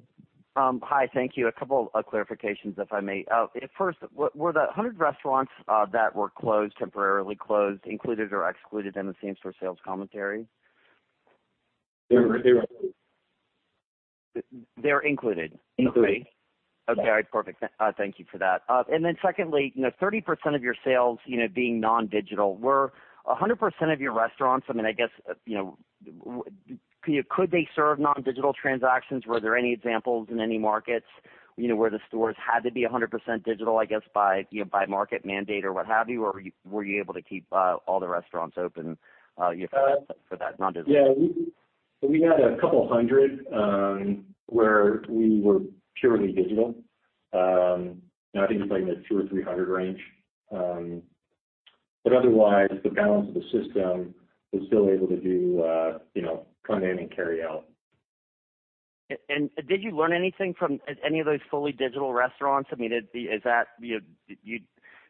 Hi. Thank you. A couple of clarifications, if I may. First, were the 100 restaurants that were temporarily closed, included or excluded in the same-store sales commentary?
They were included.
They were included.
Included.
Perfect. Thank you for that. Secondly, 30% of your sales being non-digital, were 100% of your restaurants, could they serve non-digital transactions? Were there any examples in any markets where the stores had to be 100% digital, I guess by market mandate or what have you? Were you able to keep all the restaurants open for that non-digital?
We had a couple hundred, where we were purely digital. I think it's like in the 200 or 300 range. Otherwise, the balance of the system was still able to do come in and carry out.
Did you learn anything from any of those fully digital restaurants?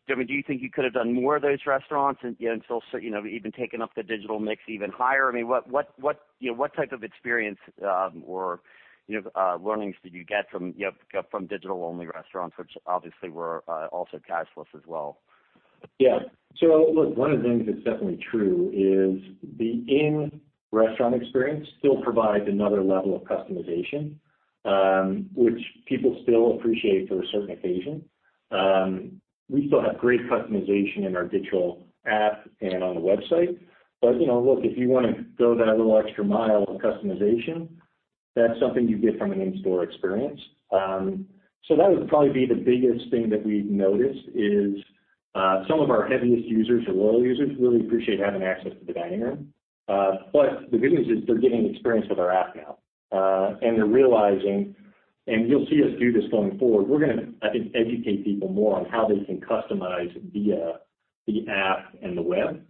Do you think you could have done more of those restaurants until even taking up the digital mix even higher? What type of experience or learnings did you get from digital-only restaurants, which obviously were also cashless as well?
One of the things that's definitely true is the in-restaurant experience still provides another level of customization, which people still appreciate for a certain occasion. We still have great customization in our digital app and on the website. If you want to go that little extra mile of customization, that's something you get from an in-store experience. That would probably be the biggest thing that we've noticed, is some of our heaviest users or loyal users really appreciate having access to the dining room. The good news is they're getting experience with our app now. They're realizing, and you'll see us do this going forward, we're going to, I think, educate people more on how they can customize via the app and the web.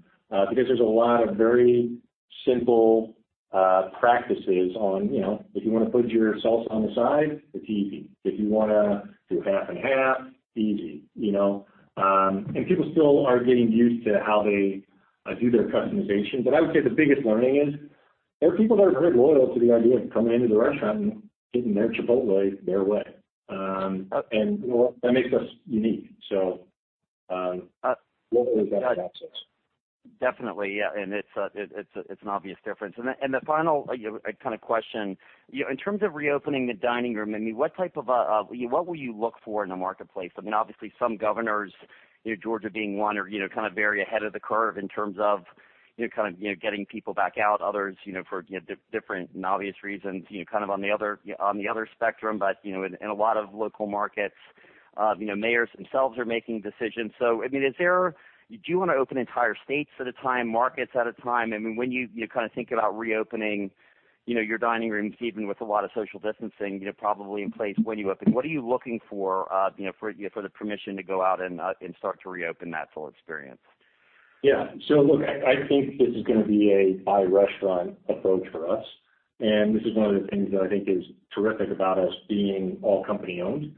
There's a lot of very simple practices, if you want to put your salsa on the side, it's easy. If you want to do half and half, easy. People still are getting used to how they do their customization. I would say the biggest learning is that people are very loyal to the idea of coming into the restaurant and getting their Chipotle their way. That makes us unique. We'll preserve that access.
Definitely. It's an obvious difference. The final kind of question, in terms of reopening the dining room, what will you look for in the marketplace? Obviously some governors, Georgia being one, are kind of very ahead of the curve in terms of getting people back out. Others, for different and obvious reasons, kind of on the other spectrum. In a lot of local markets, mayors themselves are making decisions. Do you want to open entire states at a time, markets at a time? When you think about reopening your dining rooms, even with a lot of social distancing probably in place when you open, what are you looking for for the permission to go out and start to reopen that full experience?
I think this is going to be a by-restaurant approach for us, and this is one of the things that I think is terrific about us being all company-owned.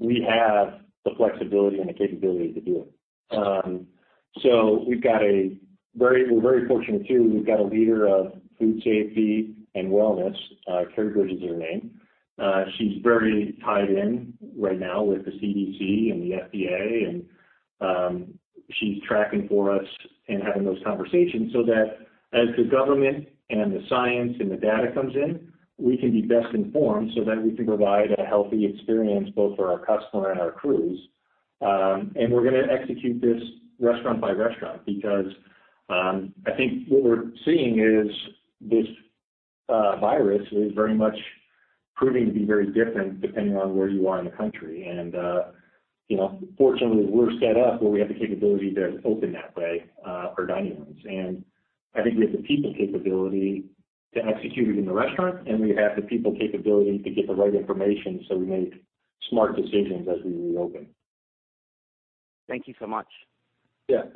We have the flexibility and the capability to do it. We're very fortunate, too. We've got a leader of food safety and wellness, Kerry Bridges is her name. She's very tied in right now with the CDC and the FDA, and she's tracking for us and having those conversations so that as the government and the science and the data comes in, we can be best informed so that we can provide a healthy experience both for our customer and our crews. We're going to execute this restaurant by restaurant, because I think what we're seeing is this virus is very much proving to be very different depending on where you are in the country. Fortunately, we're set up where we have the capability to open that way, our dining rooms. I think we have the people capability to execute it in the restaurant, and we have the people capability to get the right information, so we make smart decisions as we reopen.
Thank you so much.
The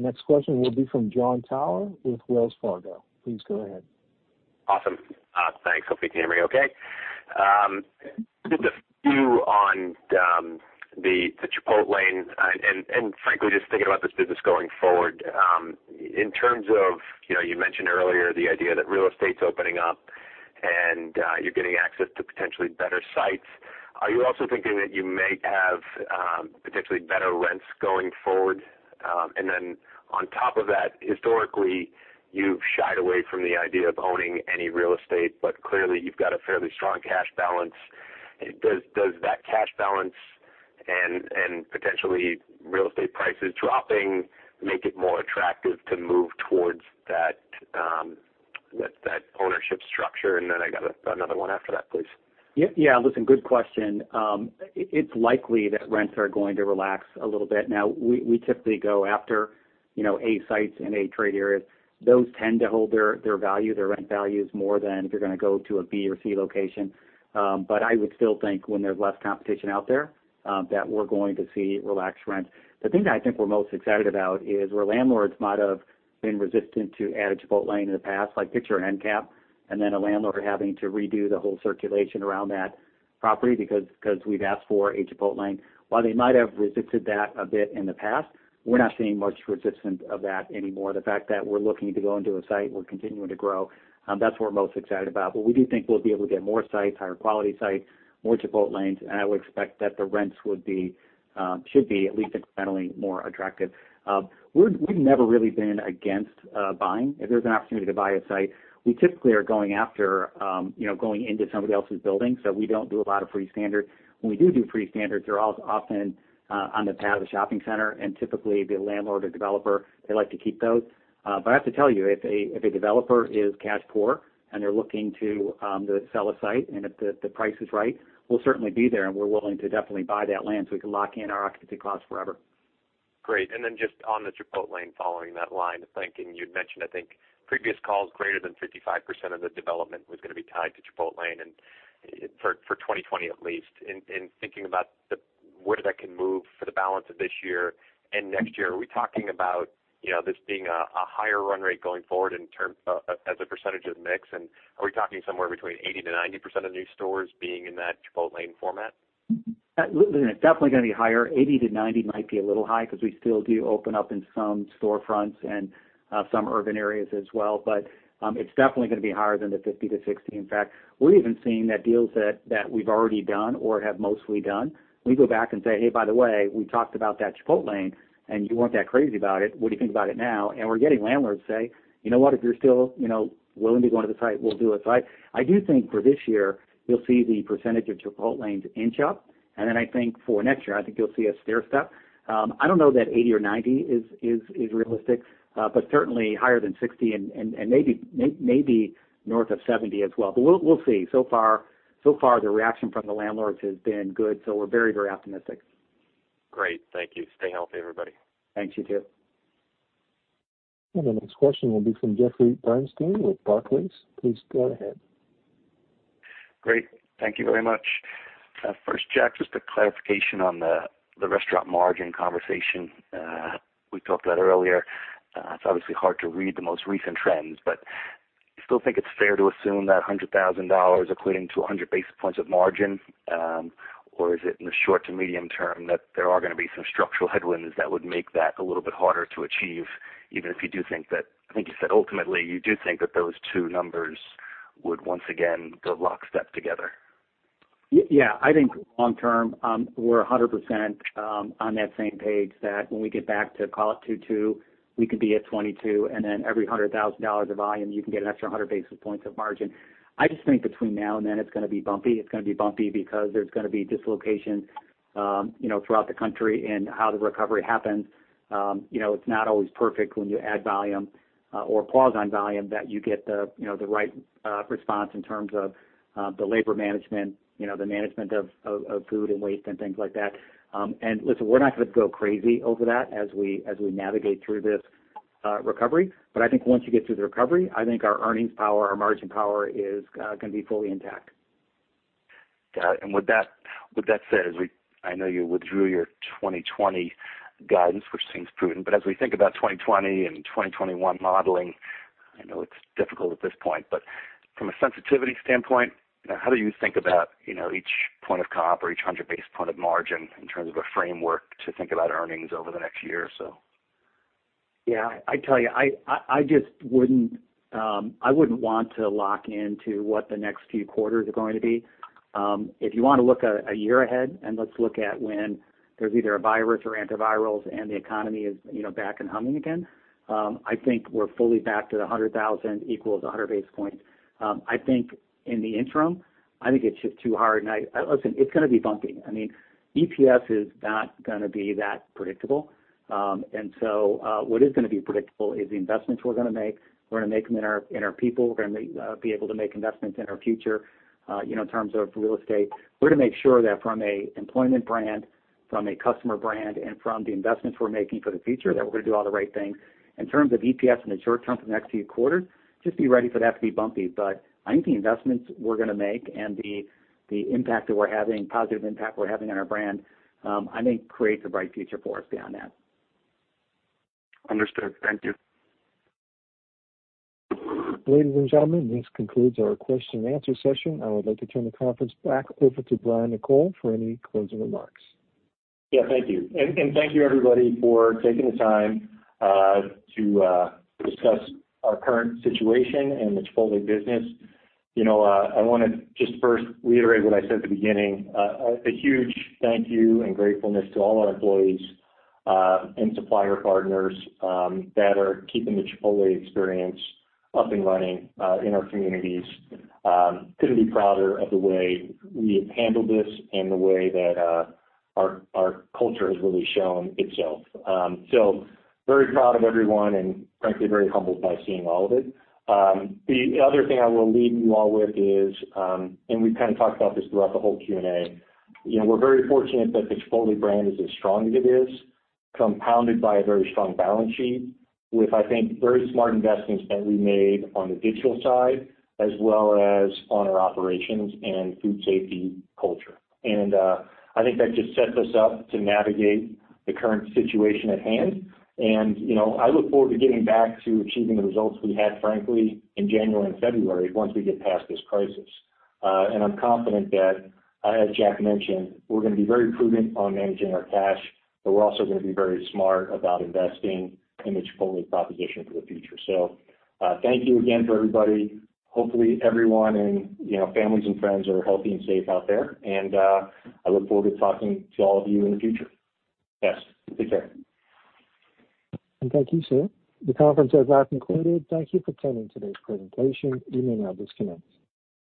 next question will be from Jon Tower with Wells Fargo. Please go ahead.
Awesome. Thanks, hope you can hear me okay. To get the view on the Chipotlane, frankly, just thinking about this business going forward, in terms of, you mentioned earlier the idea that real estate's opening up and you're getting access to potentially better sites. Are you also thinking that you may have potentially better rents going forward? On top of that, historically, you've shied away from the idea of owning any real estate, but clearly you've got a fairly strong cash balance. Does that cash balance and potentially real estate prices dropping make it more attractive to move towards that ownership structure? I got another one after that, please.
Listen, good question. It's likely that rents are going to relax a little bit. Now, we typically go after A sites and A trade areas. Those tend to hold their value, their rent values, more than if you're going to go to a B or C location. I would still think when there's less competition out there, that we're going to see relaxed rents. The thing that I think we're most excited about is where landlords might have been resistant to add a Chipotlane in the past, like picture an end cap, and then a landlord having to redo the whole circulation around that property because we've asked for a Chipotlane. While they might have resisted that a bit in the past, we're not seeing much resistance of that anymore. The fact that we're looking to go into a site, we're continuing to grow, that's what we're most excited about. We do think we'll be able to get more sites, higher quality sites, more Chipotlanes, and I would expect that the rents should be at least incrementally more attractive. We've never really been against buying. If there's an opportunity to buy a site, we typically are going into somebody else's building, so we don't do a lot of free standing. When we do free standings, they're often on the pad of a shopping center, and typically, the landlord or developer, they like to keep those. I have to tell you, if a developer is cash poor and they're looking to sell a site, and if the price is right, we'll certainly be there, and we're willing to definitely buy that land so we can lock in our occupancy costs forever.
Just on the Chipotlane, following that line of thinking, you'd mentioned, I think, previous calls greater than 55% of the development was going to be tied to Chipotlane, for 2020 at least. I'm thinking about where that can move for the balance of this year and next year. Are we talking about this being a higher run rate going forward as a percentage of mix? Are we talking somewhere between 80%-90% of new stores being in that Chipotlane format?
Listen, it's definitely going to be higher. 80%-90% might be a little high because we still do open up in some storefronts and some urban areas as well. It's definitely going to be higher than the 50%-60%. In fact, we're even seeing that deals that we've already done or have mostly done, we go back and say, hey, by the way, we talked about that Chipotlane, and you weren't that crazy about it. What do you think about it now? We're getting landlords say, you know what? If you're still willing to go into the site, we'll do it. I do think for this year, you'll see the percentage of Chipotlanes inch up. I think for next year, I think you'll see a stairstep. I don't know that 80% or 90% is realistic. Certainly higher than 60% and maybe north of 70% as well. We'll see. So far, the reaction from the landlords has been good, so we're very, very optimistic.
Great. Thank you. Stay healthy, everybody.
Thanks. You too.
The next question will be from Jeffrey Bernstein with Barclays. Please go ahead.
Great. Thank you very much. First, Jack, just a clarification on the restaurant margin conversation we talked about earlier. It's obviously hard to read the most recent trends, but do you still think it's fair to assume that $100,000 equating to 100 basis points of margin? Is it in the short to medium term that there are going to be some structural headwinds that would make that a little bit harder to achieve, even if you do think that, I think you said ultimately, you do think that those two numbers would once again go lockstep together.
I think long term, we're 100% on that same page that when we get back to, call it 2022, we could be at 2022, and then every $100,000 of volume, you can get an extra 100 basis points of margin. I just think between now and then, it's going to be bumpy. It's going to be bumpy because there's going to be dislocation throughout the country and how the recovery happens. It's not always perfect when you add volume or pause on volume that you get the right response in terms of the labor management, the management of food and waste and things like that. Listen, we're not going to go crazy over that as we navigate through this recovery. I think once you get through the recovery, I think our earnings power, our margin power is going to be fully intact.
Got it. With that said, I know you withdrew your 2020 guidance, which seems prudent, but as we think about 2020 and 2021 modeling, I know it's difficult at this point, but from a sensitivity standpoint, how do you think about each point of comp or each 100 basis points of margin in terms of a framework to think about earnings over the next year or so?
I tell you, I wouldn't want to lock into what the next few quarters are going to be. If you want to look a year ahead, let's look at when there's either a virus or antivirals and the economy is back and humming again, I think we're fully back to the $100,000 equals 100 basis points. I think in the interim, I think it's just too hard. Listen, it's going to be bumpy. EPS is not going to be that predictable. What is going to be predictable is the investments we're going to make. We're going to make them in our people. We're going to be able to make investments in our future, in terms of real estate. We're going to make sure that from an employment brand, from a customer brand, and from the investments we're making for the future, that we're going to do all the right things. In terms of EPS in the short term for the next few quarters, just be ready for that to be bumpy. I think the investments we're going to make and the positive impact we're having on our brand, I think creates a bright future for us beyond that.
Understood. Thank you.
Ladies and gentlemen, this concludes our question-and-answer session. I would like to turn the conference back over to Brian Niccol for any closing remarks.
Thank you, everybody, for taking the time to discuss our current situation and the Chipotle business. I want to just first reiterate what I said at the beginning. A huge thank you and gratefulness to all our employees and supplier partners that are keeping the Chipotle experience up and running in our communities. Couldn't be prouder of the way we have handled this and the way that our culture has really shown itself. Very proud of everyone, and frankly, very humbled by seeing all of it. The other thing I will leave you all with is, we've kind of talked about this throughout the whole Q&A, we're very fortunate that the Chipotle brand is as strong as it is, compounded by a very strong balance sheet with, I think, very smart investments that we made on the digital side, as well as on our operations and food safety culture. I think that just sets us up to navigate the current situation at hand. I look forward to getting back to achieving the results we had, frankly, in January and February once we get past this crisis. I'm confident that, as Jack mentioned, we're going to be very prudent on managing our cash, we're also going to be very smart about investing in the Chipotle proposition for the future. Thank you again to everybody. Hopefully, everyone and families and friends are healthy and safe out there. I look forward to talking to all of you in the future. Take care.
Thank you, sir. The conference has now concluded. Thank you for attending today's presentation. You may now disconnect.